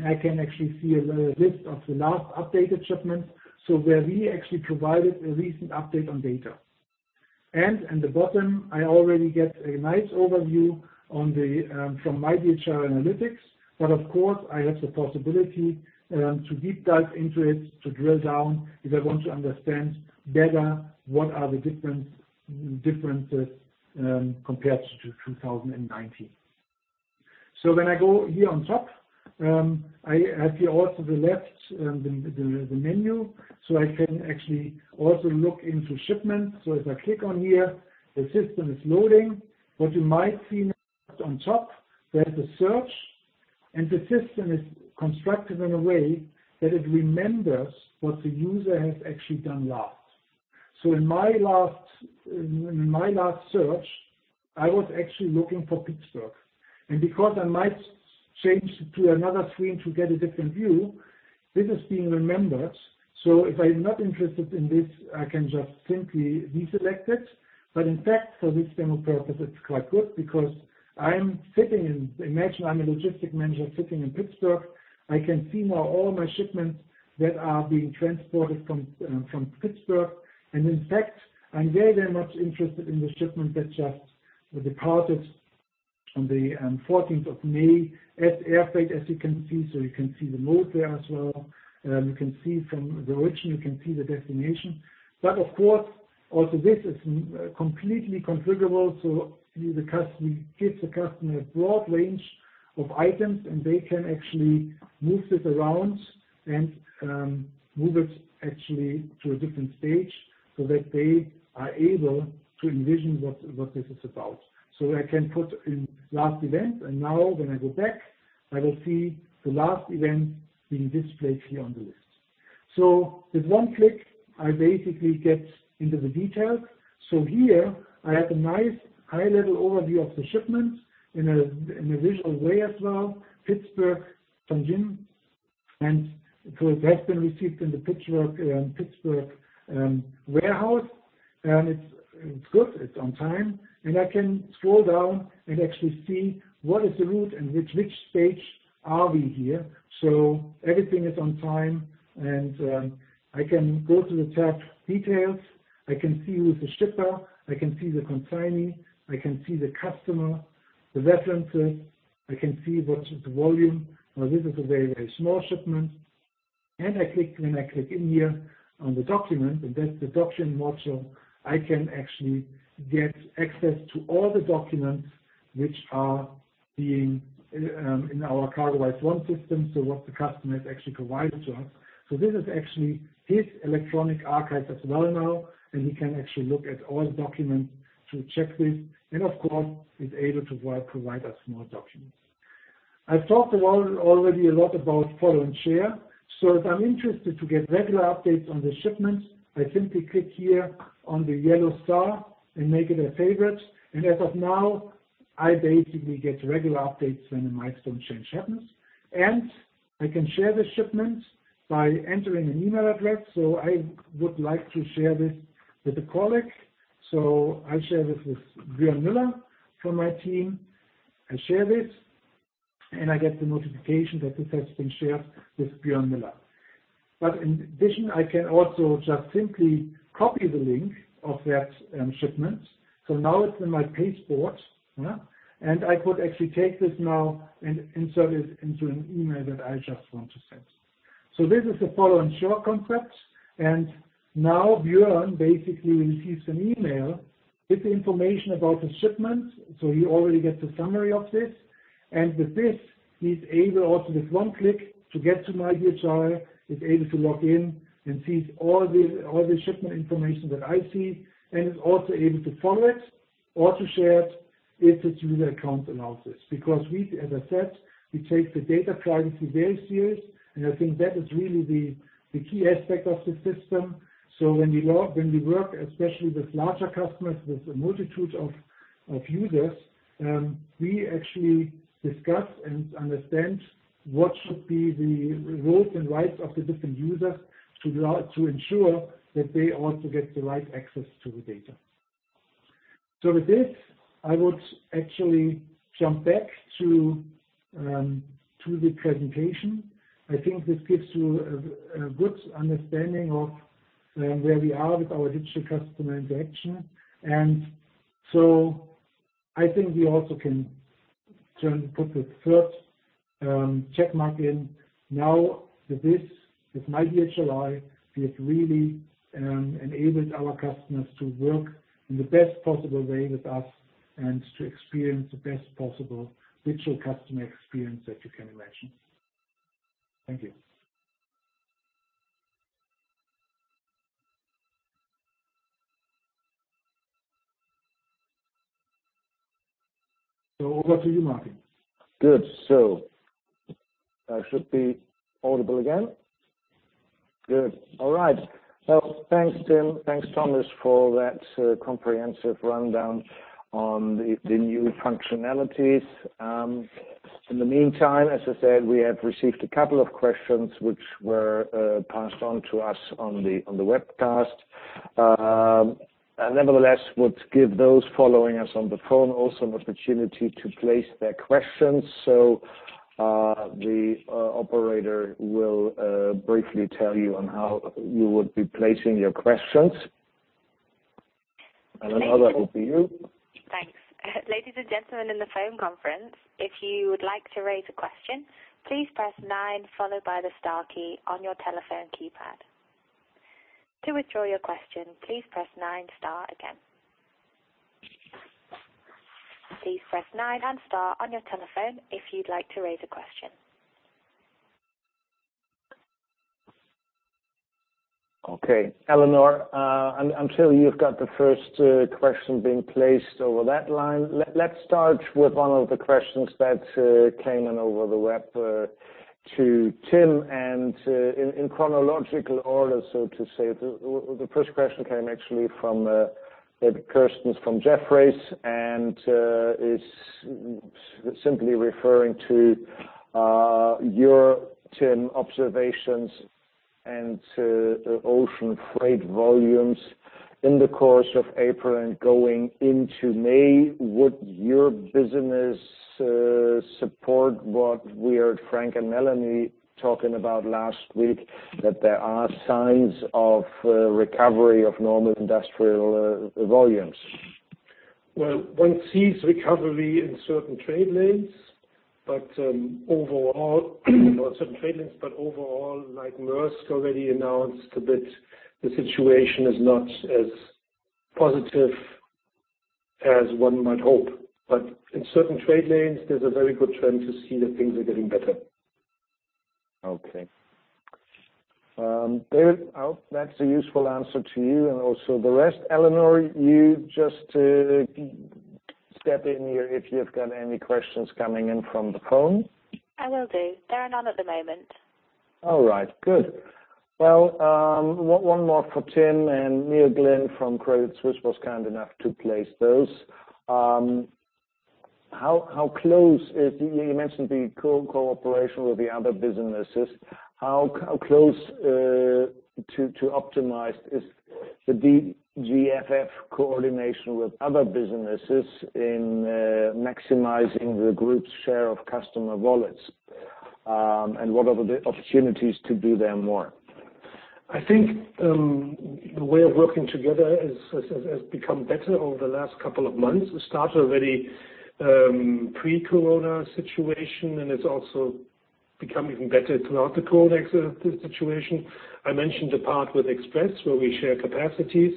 I can actually see a list of the last updated shipments, where we actually provided a recent update on data. At the bottom, I already get a nice overview from myDHLi Analytics. Of course, I have the possibility to deep dive into it, to drill down if I want to understand better what are the differences compared to 2019. When I go here on top, I see also the left, the menu. I can actually also look into shipments. If I click on here, the system is loading. What you might see on top, there's a search. The system is constructed in a way that it remembers what the user has actually done last. In my last search, I was actually looking for Pittsburgh. Because I might change to another screen to get a different view, this is being remembered. If I'm not interested in this, I can just simply deselect it. In fact, for this demo purpose it's quite good because imagine I'm a logistic manager sitting in Pittsburgh. I can see now all my shipments that are being transported from Pittsburgh. In fact, I'm very, very much interested in the shipment that just departed on the 14th of May as air freight as you can see. You can see the mode there as well. You can see from the origin, you can see the destination. Of course, also this is completely configurable, so it gives the customer a broad range of items and they can actually move it around and move it actually to a different stage so that they are able to envision what this is about. I can put in last event and now when I go back, I will see the last event being displayed here on the list. With one click I basically get into the details. Here I have a nice high level overview of the shipments in a visual way as well. Pittsburgh, Tianjin. It has been received in the Pittsburgh warehouse, and it is good. It is on time. I can scroll down and actually see what is the route and which stage are we here. Everything is on time, and I can go to the tab Details. I can see who is the shipper, I can see the consignee, I can see the customer, the references. I can see what is the volume. This is a very, very small shipment. When I click in here on the document, and that's the document module, I can actually get access to all the documents which are in our CargoWise One system, so what the customer has actually provided to us. This is actually his electronic archive as well now, and he can actually look at all the documents to check this. Of course, he's able to provide us more documents. I've talked already a lot about Follow and Share. If I'm interested to get regular updates on the shipment, I simply click here on the yellow star and make it a favorite. As of now, I basically get regular updates when a milestone change happens. I can share the shipment by entering an email address. I would like to share this with a colleague. I share this with Björn Müller from my team. I share this, and I get the notification that this has been shared with Björn Müller. In addition, I can also just simply copy the link of that shipment. Now it's in my clipboard. I could actually take this now and insert it into an email that I just want to send. This is the Follow and Share concept. Now Björn basically receives an email with the information about the shipment. He already gets a summary of this. With this, he's able also, with one click, to get to myDHLi, is able to log in and sees all the shipment information that I see and is also able to follow it or to share it with his user account analysis. We, as I said, we take the data privacy very serious, and I think that is really the key aspect of the system. When we work, especially with larger customers, with a multitude of users, we actually discuss and understand what should be the roles and rights of the different users to ensure that they also get the right access to the data. With this, I would actually jump back to the presentation. I think this gives you a good understanding of where we are with our digital customer interaction. I think we also can put the third check mark in. With this, with myDHLi, we have really enabled our customers to work in the best possible way with us and to experience the best possible digital customer experience that you can imagine. Thank you. Over to you, Martin. Good. I should be audible again. Good. All right. Well, thanks, Tim. Thanks, Thomas, for that comprehensive rundown on the new functionalities. In the meantime, as I said, we have received a couple of questions which were passed on to us on the webcast. Nevertheless, would give those following us on the phone also an opportunity to place their questions. The operator will briefly tell you on how you would be placing your questions. Eleanor, over to you. Thanks. Ladies and gentlemen on the phone conference, if you would like to raise a question, please press 9 followed by the star key on your telephone keypad. To withdraw your question, please press 9 Star again. Please press 9 and Star on your telephone if you'd like to raise a question. Okay, Eleanor, I'm sure you've got the first question being placed over that line. Let's start with one of the questions that came in over the web to Tim in chronological order, so to say. The first question came actually from David Kerstens from Jefferies, and it's simply referring to your, Tim, observations into ocean freight volumes in the course of April and going into May. Would your business support what we heard Frank and Melanie talking about last week, that there are signs of recovery of normal industrial volumes? Well, one sees recovery in certain trade lanes, overall, like Maersk already announced, that the situation is not as positive as one might hope. In certain trade lanes, there's a very good trend to see that things are getting better. Okay. David, I hope that's a useful answer to you and also the rest. Eleanor, you just step in here if you've got any questions coming in from the phone. I will do. There are none at the moment. All right. Good. Well, one more for Tim, and Neil Glynn from Credit Suisse was kind enough to place those. You mentioned the cooperation with the other businesses. How close to optimize is the DGFF coordination with other businesses in maximizing the group's share of customer wallets? What are the opportunities to do that more? I think the way of working together has become better over the last couple of months. It started already pre-COVID situation, and it's also become even better throughout the COVID situation. I mentioned the part with Express, where we share capacities.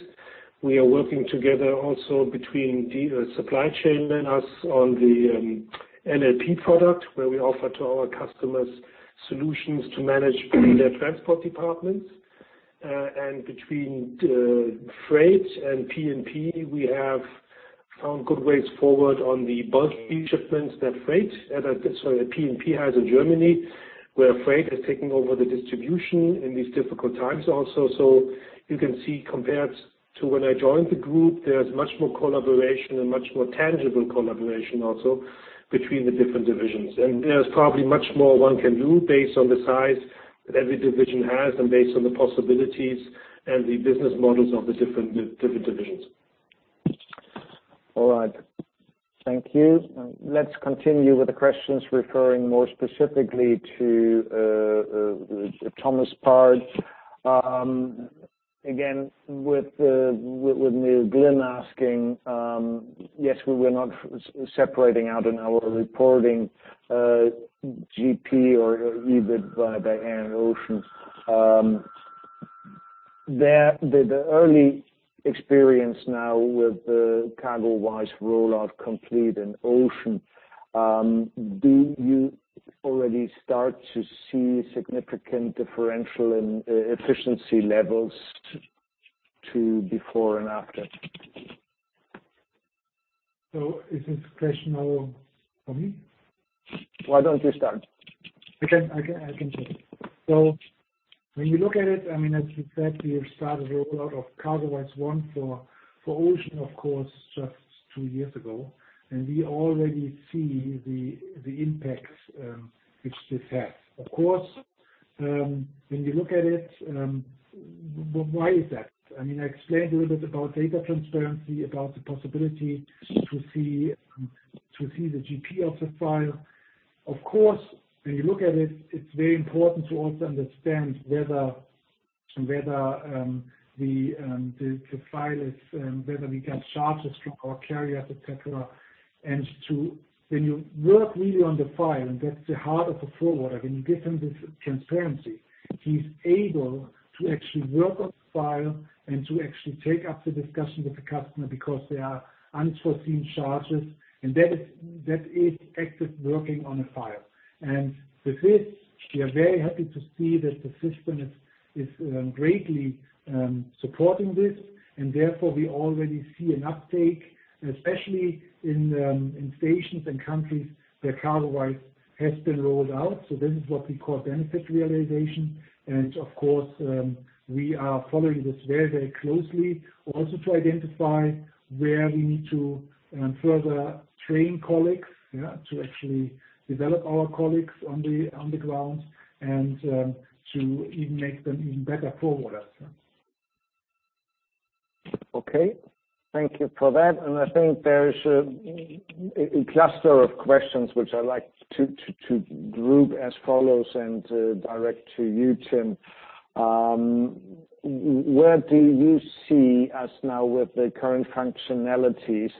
We are working together also between the supply chain and us on the NLP product, where we offer to our customers solutions to manage their transport departments. Between Freight and P&P, we have found good ways forward on the bulky shipments that Freight Sorry, that P&P has in Germany, where Freight is taking over the distribution in these difficult times also. You can see compared to when I joined the group, there's much more collaboration and much more tangible collaboration also between the different divisions. There's probably much more one can do based on the size that every division has and based on the possibilities and the business models of the different divisions. All right. Thank you. Let's continue with the questions referring more specifically to Thomas' part. With Neil Glynn asking, yes, we're not separating out in our reporting GP or EBIT by Air and Ocean. The early experience now with the CargoWise rollout complete in Ocean, do you already start to see significant differential in efficiency levels to before and after? Is this question now for me? Why don't you start? When you look at it, as you said, we have started the rollout of CargoWise One for Ocean, of course, just two years ago, and we already see the impacts which this has. Of course, when you look at it, why is that? I explained a little bit about data transparency, about the possibility to see the GP of the file. Of course, when you look at it's very important to also understand whether we got charges from our carrier, et cetera. When you work really on the file, and that's the heart of a forwarder, when you give him this transparency, he's able to actually work on the file and to actually take up the discussion with the customer because there are unforeseen charges, and that is active working on a file. With this, we are very happy to see that the system is greatly supporting this, and therefore we already see an uptake, especially in stations and countries where CargoWise has been rolled out. This is what we call Benefit Realization. Of course, we are following this very closely also to identify where we need to further train colleagues. To actually develop our colleagues on the ground and to even make them even better forwarders. Okay. Thank you for that. I think there is a cluster of questions which I'd like to group as follows and direct to you, Tim. Where do you see us now with the current functionalities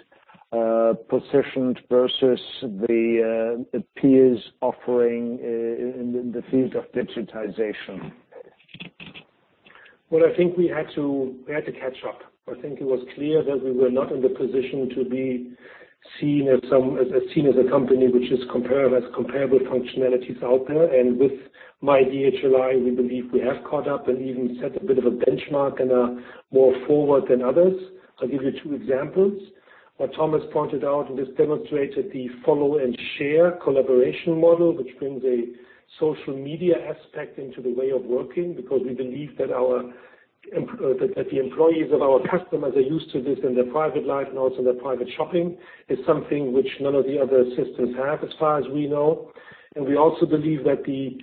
positioned versus the peers offering in the field of digitization? I think we had to catch up. I think it was clear that we were not in the position to be seen as a company which is comparable, has comparable functionalities out there. With myDHLi, we believe we have caught up and even set a bit of a benchmark and are more forward than others. I'll give you two examples. What Thomas pointed out, and this demonstrated the follow and share collaboration model, which brings a social media aspect into the way of working, because we believe that the employees of our customers are used to this in their private life and also in their private shopping. It's something which none of the other systems have as far as we know. We also believe that the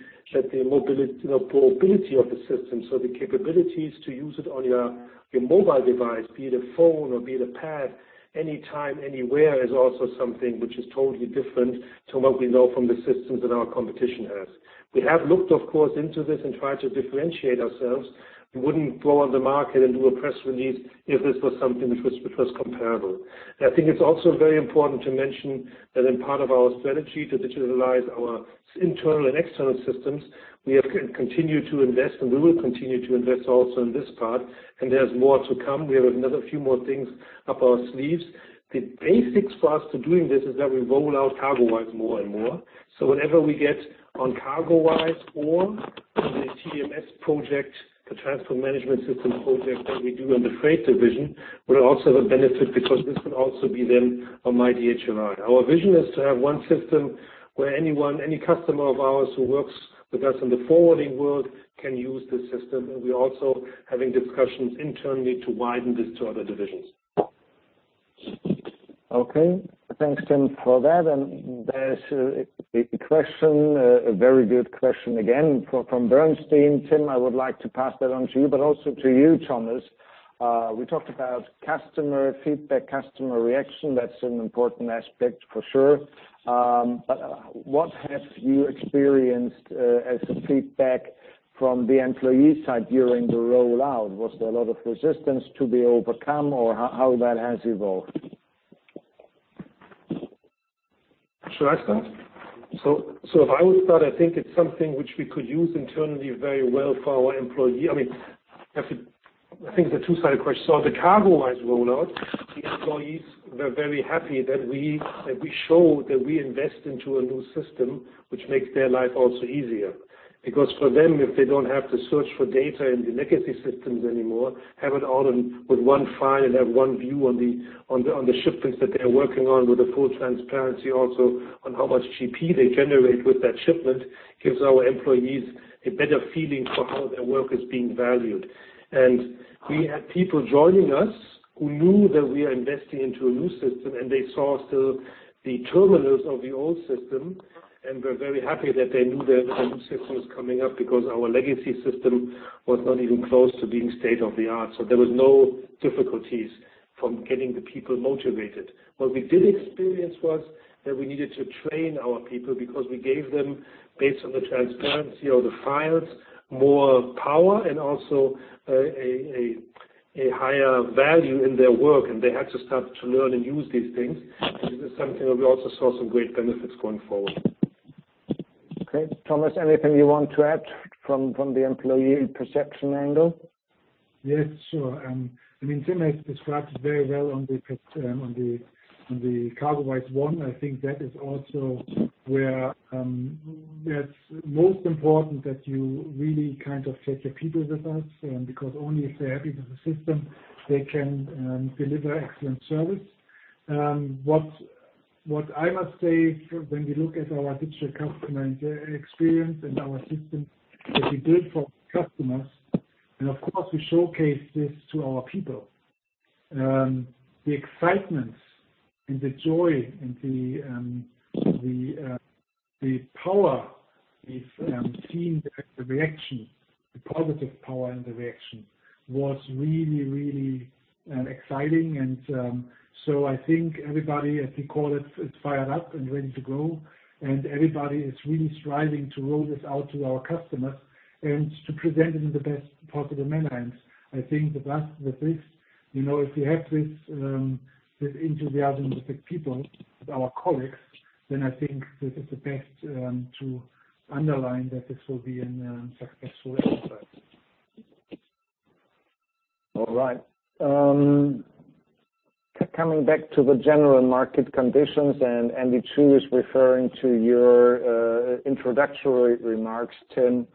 mobility of the system, so the capabilities to use it on your mobile device, be it a phone or be it a pad, anytime, anywhere, is also something which is totally different to what we know from the systems that our competition has. We have looked, of course, into this and tried to differentiate ourselves. We wouldn't go on the market and do a press release if this was something which was comparable. I think it's also very important to mention that in part of our strategy to digitalize our internal and external systems, we have continued to invest, and we will continue to invest also in this part, and there's more to come. We have another few more things up our sleeves. The basics for us to doing this is that we roll out CargoWise more and more. Whatever we get on CargoWise or on the TMS project, the Transport Management System project that we do in the freight division, will also have a benefit because this could also be then on myDHLi. Our vision is to have one system where anyone, any customer of ours who works with us in the forwarding world, can use this system. We're also having discussions internally to widen this to other divisions. Okay. Thanks, Tim, for that. There's a question, a very good question again from Bernstein. Tim, I would like to pass that on to you, but also to you, Thomas. We talked about customer feedback, customer reaction. That's an important aspect for sure. What have you experienced as a feedback from the employee side during the rollout? Was there a lot of resistance to be overcome or how that has evolved? Should I start? If I would start, I think it's something which we could use internally very well for our employee. I think it's a two-sided question. The CargoWise rollout, the employees were very happy that we showed that we invest into a new system, which makes their life also easier. Because for them, if they don't have to search for data in the legacy systems anymore, have it all in with one file and have one view on the shipments that they're working on with a full transparency also on how much GP they generate with that shipment, gives our employees a better feeling for how their work is being valued. We had people joining us who knew that we are investing into a new system, and they saw still the terminals of the old system and were very happy that they knew that a new system was coming up because our legacy system was not even close to being state of the art. So there was no difficulties from getting the people motivated. What we did experience was that we needed to train our people because we gave them, based on the transparency of the files, more power and also a higher value in their work, and they had to start to learn and use these things. This is something that we also saw some great benefits going forward. Okay. Thomas, anything you want to add from the employee perception angle? Yes, sure. Tim has described it very well on the CargoWise One. I think that is also where that's most important that you really take your people with us, because only if they're happy with the system, they can deliver excellent service. What I must say, when we look at our digital customer and experience and our systems that we built for customers, and of course, we showcase this to our people. The excitement and the joy and the power we've seen, the reaction, the positive power and the reaction was really exciting. I think everybody, as we call it, is fired up and ready to go. Everybody is really striving to roll this out to our customers and to present it in the best possible manner. I think the best with this, if you have this enthusiasm with the people, with our colleagues, then I think this is the best to underline that this will be a successful effort. All right. Coming back to the general market conditions, Andy Chu is referring to your introductory remarks, Tim.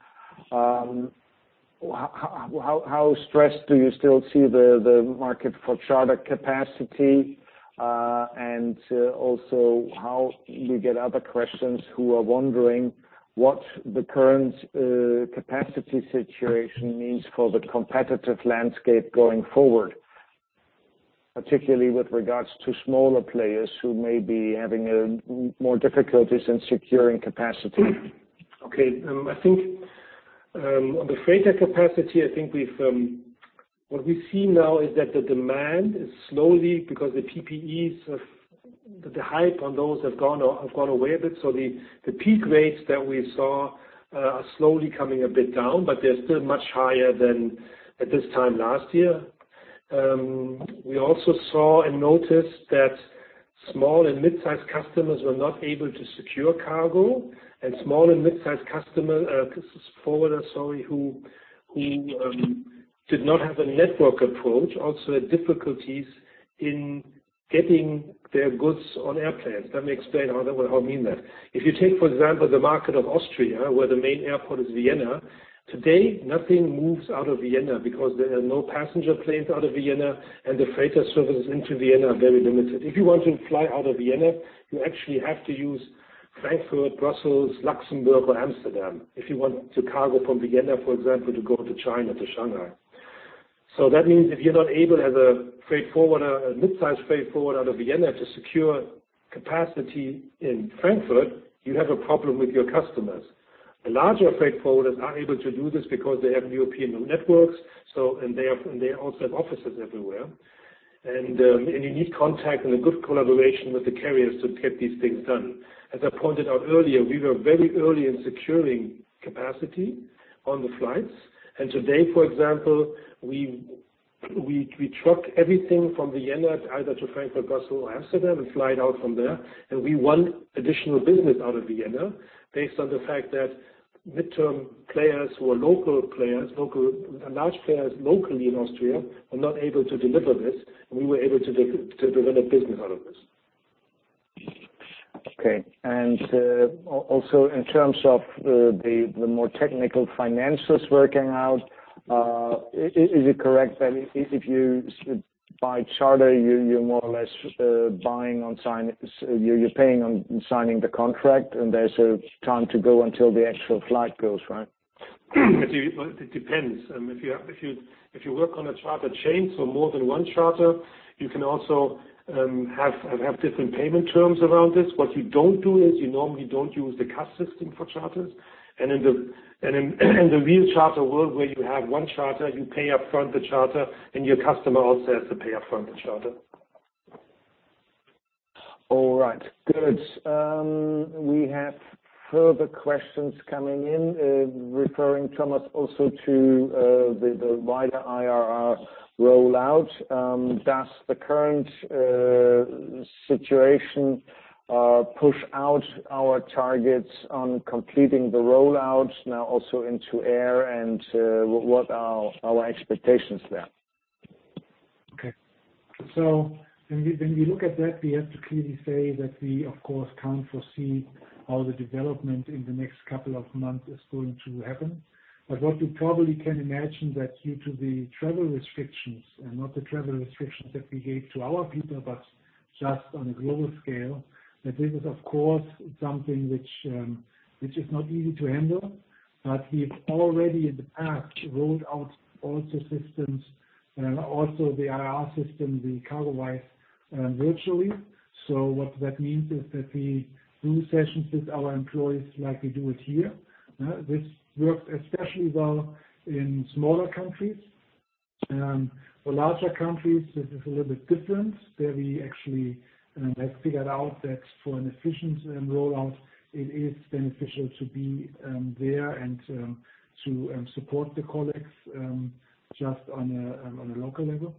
How stressed do you still see the market for charter capacity? Also how we get other questions who are wondering what the current capacity situation means for the competitive landscape going forward, particularly with regards to smaller players who may be having more difficulties in securing capacity. Okay. I think on the freighter capacity, I think what we see now is that the demand is slowly, because the PPEs, the hype on those have gone away a bit. The peak rates that we saw are slowly coming a bit down, but they're still much higher than at this time last year. We also saw and noticed that small and mid-size customers were not able to secure cargo, small and mid-size customers, forwarders, sorry, who did not have a network approach, also had difficulties in getting their goods on airplanes. Let me explain what I mean there. If you take, for example, the market of Austria, where the main airport is Vienna. Today, nothing moves out of Vienna because there are no passenger planes out of Vienna and the freighter services into Vienna are very limited. If you want to fly out of Vienna, you actually have to use Frankfurt, Brussels, Luxembourg, or Amsterdam if you want to cargo from Vienna, for example, to go to China, to Shanghai. That means if you're not able as a mid-size freight forwarder out of Vienna to secure capacity in Frankfurt, you have a problem with your customers. The larger freight forwarders are able to do this because they have European networks and they also have offices everywhere. You need contact and a good collaboration with the carriers to get these things done. As I pointed out earlier, we were very early in securing capacity on the flights. Today, for example, we truck everything from Vienna either to Frankfurt, Brussels, or Amsterdam and fly it out from there. We want additional business out of Vienna based on the fact that midterm players who are local players, large players locally in Austria, are not able to deliver this, and we were able to develop business out of this. Okay. Also in terms of the more technical financials working out, is it correct that if you buy charter, you're more or less paying on signing the contract, and there's a time to go until the actual flight goes, right? It depends. If you work on a charter chain, so more than one charter, you can also have different payment terms around this. What you don't do is you normally don't use the CASS system for charters. In the real charter world where you have one charter, you pay up front the charter, and your customer also has to pay up front the charter. All right, good. We have further questions coming in, referring, Thomas, also to the wider IRR rollout. Does the current situation push out our targets on completing the rollout now also into air, and what are our expectations there? Okay. When we look at that, we have to clearly say that we, of course, can't foresee how the development in the next couple of months is going to happen. What you probably can imagine, that due to the travel restrictions, and not the travel restrictions that we gave to our people, but just on a global scale, that this is, of course, something which is not easy to handle. We've already, in the past, rolled out also systems and also the IRR system, the CargoWise, virtually. What that means is that we do sessions with our employees like we do it here. This works especially well in smaller countries. For larger countries, this is a little bit different. There we actually have figured out that for an efficient rollout, it is beneficial to be there and to support the colleagues just on a local level.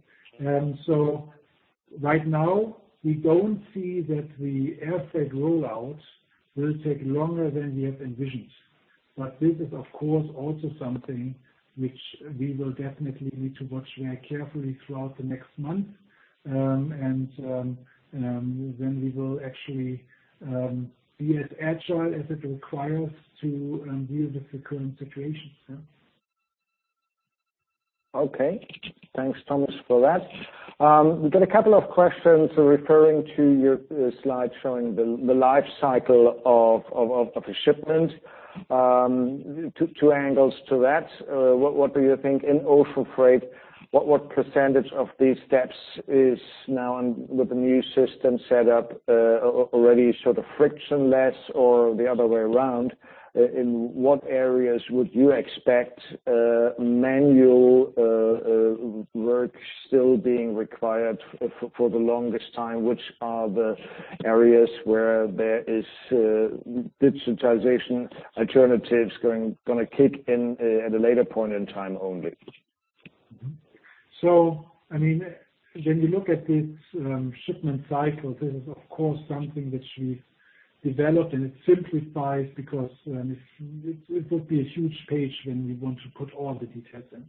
Right now, we don't see that the air freight rollout will take longer than we have envisioned. This is, of course, also something which we will definitely need to watch very carefully throughout the next month. Then we will actually be as agile as it requires to deal with the current situation. Okay. Thanks, Thomas, for that. We've got a couple of questions referring to your slide showing the life cycle of a shipment. Two angles to that. What do you think in ocean freight, what % of these steps is now, with the new system set up, already sort of frictionless or the other way around? In what areas would you expect manual work still being required for the longest time? Which are the areas where there is digitization alternatives going to kick in at a later point in time only? When you look at this shipment cycle, this is, of course, something which we developed, and it simplifies because it would be a huge page when we want to put all the details in.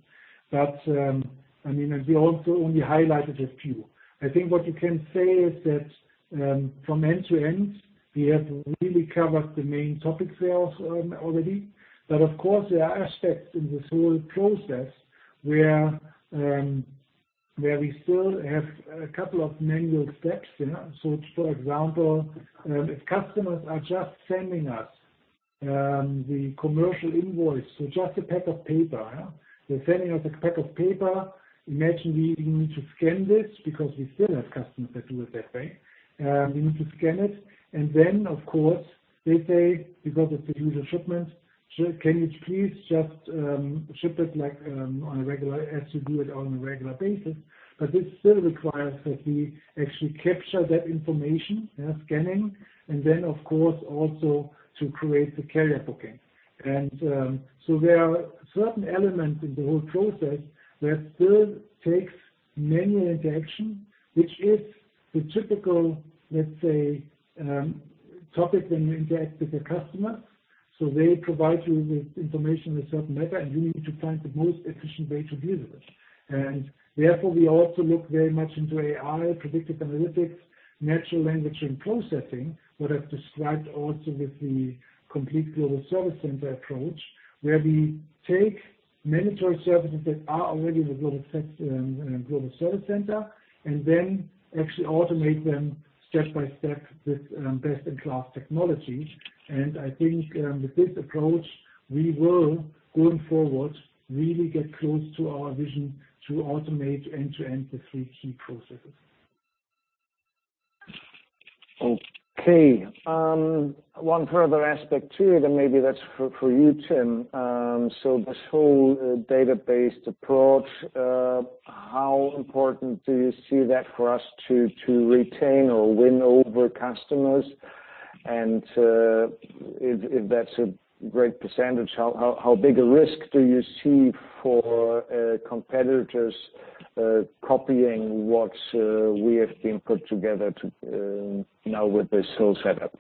We also only highlighted a few. I think what you can say is that from end to end, we have really covered the main topic there already. Of course, there are aspects in this whole process where we still have a couple of manual steps. For example, if customers are just sending us the commercial invoice, so just a pack of paper. They're sending us a pack of paper. Imagine we need to scan this because we still have customers that do it that way. We need to scan it, and then, of course, they say, because it's a usual shipment, "Sir, can you please just ship it like as you do it on a regular basis?" This still requires that we actually capture that information, scanning, and then, of course, also to create the carrier booking. There are certain elements in the whole process that still takes manual interaction, which is the typical, let's say, topic when you interact with the customer. They provide you with information in a certain manner, and you need to find the most efficient way to deal with it. Therefore, we also look very much into AI, predictive analytics, natural language and processing, what I've described also with the complete global service center approach, where we take mandatory services that are already in the global service center and then actually automate them step-by-step with best-in-class technology. I think with this approach, we will, going forward, really get close to our vision to automate end-to-end the three key processes. Okay. One further aspect, too, then maybe that's for you, Tim. This whole data-based approach, how important do you see that for us to retain or win over customers? If that's a great percentage, how big a risk do you see for competitors copying what we have been put together now with this whole setup?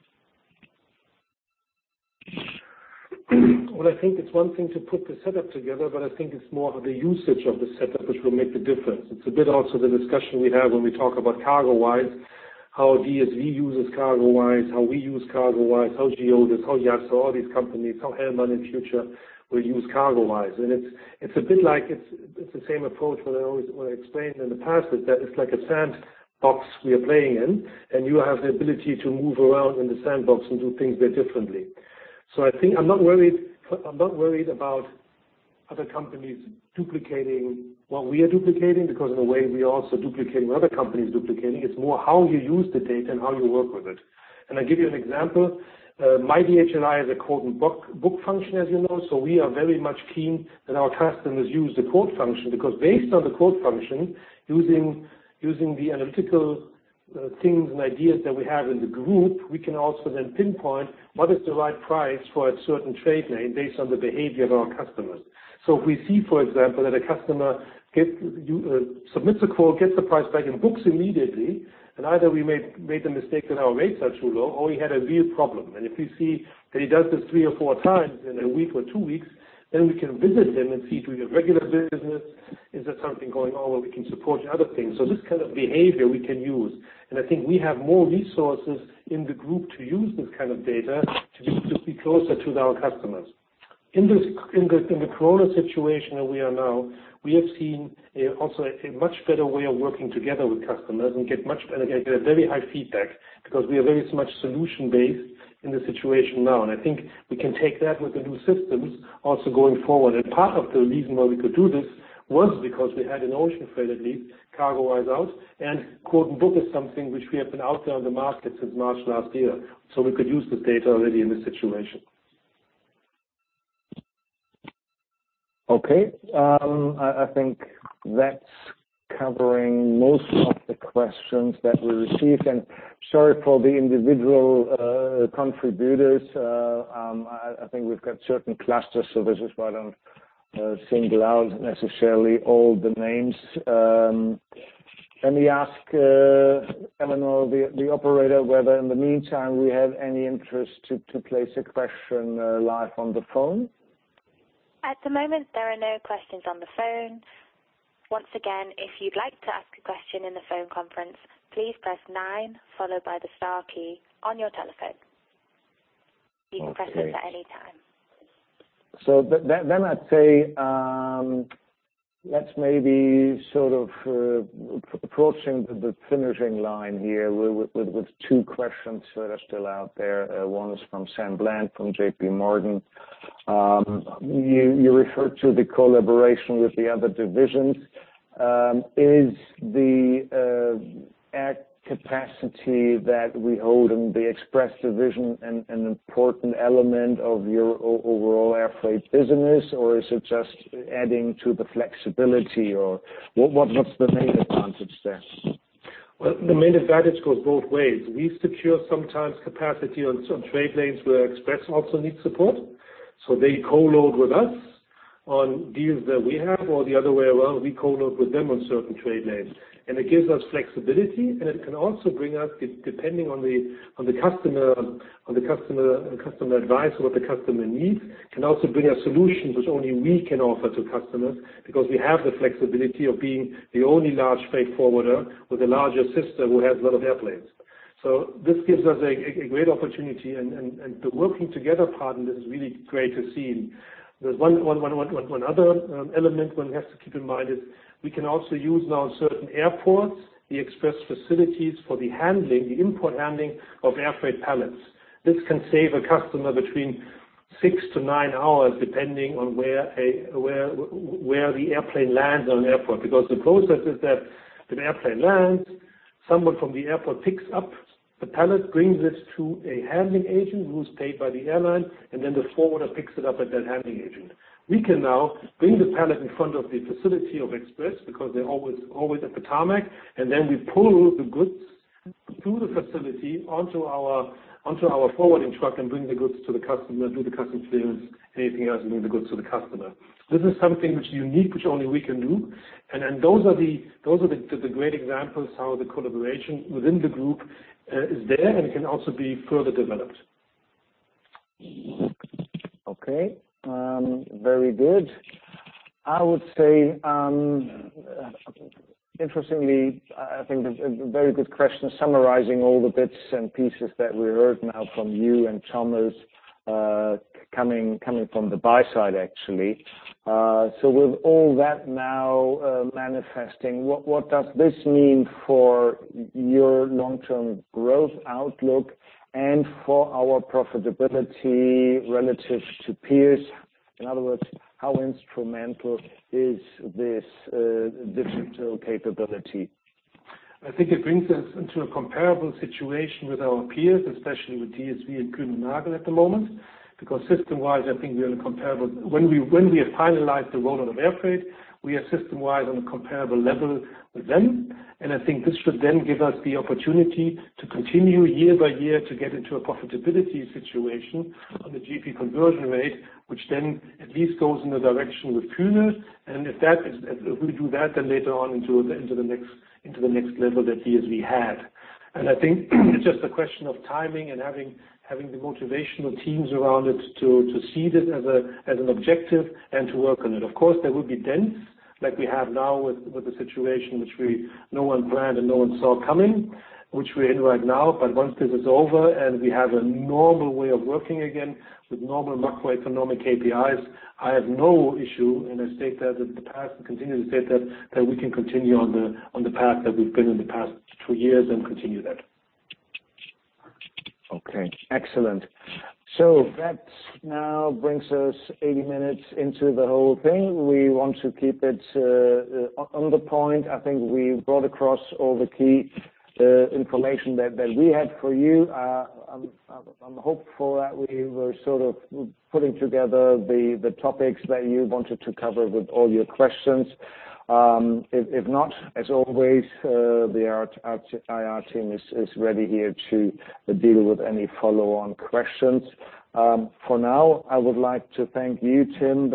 Well, I think it's one thing to put the setup together, but I think it's more the usage of the setup which will make the difference. It's a bit also the discussion we have when we talk about CargoWise, how DSV uses CargoWise, how we use CargoWise, how GEODIS, how JAS, all these companies, how Hellmann in future will use CargoWise. It's a bit like it's the same approach what I explained in the past, that it's like a sandbox we are playing in, and you have the ability to move around in the sandbox and do things there differently. I'm not worried about other companies duplicating what we are duplicating, because in a way, we are also duplicating what other companies duplicating. It's more how you use the data and how you work with it. I give you an example. myDHLi has a Quote + Book function, as you know. We are very much keen that our customers use the quote function, because based on the quote function, using the analytical things and ideas that we have in the group, we can also then pinpoint what is the right price for a certain trade la based on the behavior of our customers. If we see, for example, that a customer submits a quote, gets the price back and books immediately, and either we made a mistake and our rates are too low, or we had a real problem. If we see that he does this three or four times in a week or two weeks, then we can visit him and see, do we have regular business? Is there something going on where we can support other things? This kind of behavior we can use. I think we have more resources in the group to use this kind of data to be closer to our customers. In the Corona situation that we are now, we have seen also a much better way of working together with customers and get a very high feedback because we are very much solution-based in the situation now. I think we can take that with the new systems also going forward. Part of the reason why we could do this was because we had an ocean freight, at least CargoWise out, and Quote + Book is something which we have been out there on the market since March last year. We could use this data already in this situation. Okay. I think that's covering most of the questions that we received. Sorry for the individual contributors. I think we've got certain clusters, so this is why I don't single out necessarily all the names. Let me ask Eleanor, the operator, whether in the meantime we have any interest to place a question live on the phone. At the moment, there are no questions on the phone. Once again, if you'd like to ask a question in the phone conference, please press nine followed by the star key on your telephone. Okay. You can press it at any time. I'd say, let's maybe sort of approaching the finishing line here with two questions that are still out there. One is from Sam Bland, from JP Morgan. You referred to the collaboration with the other divisions. Is the air capacity that we hold in the Express division an important element of your overall air freight business, or is it just adding to the flexibility? Or what's the main advantage there? Well, the main advantage goes both ways. We secure sometimes capacity on some trade lanes where Express also needs support. They co-load with us on deals that we have or the other way around, we co-load with them on certain trade lanes. It gives us flexibility, and it can also bring us, depending on the customer advice, what the customer needs, can also bring a solution which only we can offer to customers because we have the flexibility of being the only large freight forwarder with a larger system who has a lot of airplanes. This gives us a great opportunity, and the working together part in this is really great to see. There's one other element one has to keep in mind is we can also use now certain airports, the Express facilities for the handling, the import handling of air freight pallets. This can save a customer between 6-9 hours, depending on where the airplane lands on an airport. The process is that an airplane lands, someone from the airport picks up the pallet, brings it to a handling agent who's paid by the airline, and then the forwarder picks it up at that handling agent. We can now bring the pallet in front of the facility of Express because they're always at the tarmac, and then we pull the goods through the facility onto our forwarding truck and bring the goods to the customer, do the customs clearance, anything else, and bring the goods to the customer. This is something which is unique, which only we can do. Those are the great examples how the collaboration within the group is there and can also be further developed. Okay. Very good. I would say, interestingly, I think a very good question summarizing all the bits and pieces that we heard now from you and Thomas, coming from the buy side, actually. With all that now manifesting, what does this mean for your long-term growth outlook and for our profitability relative to peers? In other words, how instrumental is this digital capability? I think it brings us into a comparable situation with our peers, especially with DSV and Kuehne+Nagel at the moment, because system-wise, I think we are comparable. When we have finalized the rollout of air freight, we are system-wise on a comparable level with them, and I think this should then give us the opportunity to continue year by year to get into a profitability situation on the GP conversion rate, which then at least goes in the direction with Kuehne+Nagel's. If we do that, then later on into the next level that DSV had. I think it's just a question of timing and having the motivation of teams around it to see this as an objective and to work on it. Of course, there will be dents like we have now with the situation which no one planned and no one saw coming, which we're in right now. Once this is over and we have a normal way of working again with normal macroeconomic KPIs, I have no issue, and I state that in the past and continue to state that we can continue on the path that we've been in the past two years and continue that. Okay, excellent. That now brings us 80 minutes into the whole thing. We want to keep it on the point. I think we brought across all the key information that we had for you. I'm hopeful that we were sort of putting together the topics that you wanted to cover with all your questions. If not, as always, the IR team is ready here to deal with any follow-on questions. For now, I would like to thank you, Tim,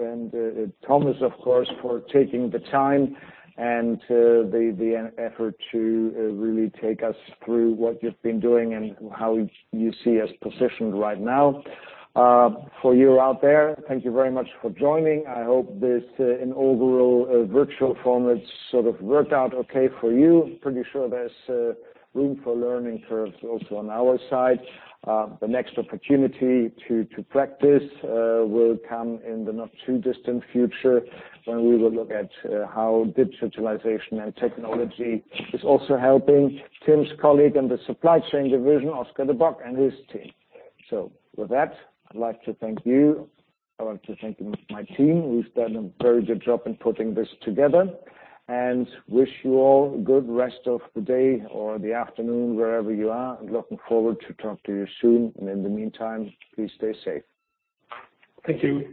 and Thomas, of course, for taking the time and the effort to really take us through what you've been doing and how you see us positioned right now. For you out there, thank you very much for joining. I hope this inaugural virtual format sort of worked out okay for you. Pretty sure there's room for learning curves also on our side. The next opportunity to practice will come in the not-too-distant future, when we will look at how digitalization and technology is also helping Tim's colleague in the supply chain division, Oscar de Bok and his team. With that, I'd like to thank you. I want to thank my team, who's done a very good job in putting this together. Wish you all a good rest of the day or the afternoon, wherever you are. Looking forward to talk to you soon. In the meantime, please stay safe. Thank you.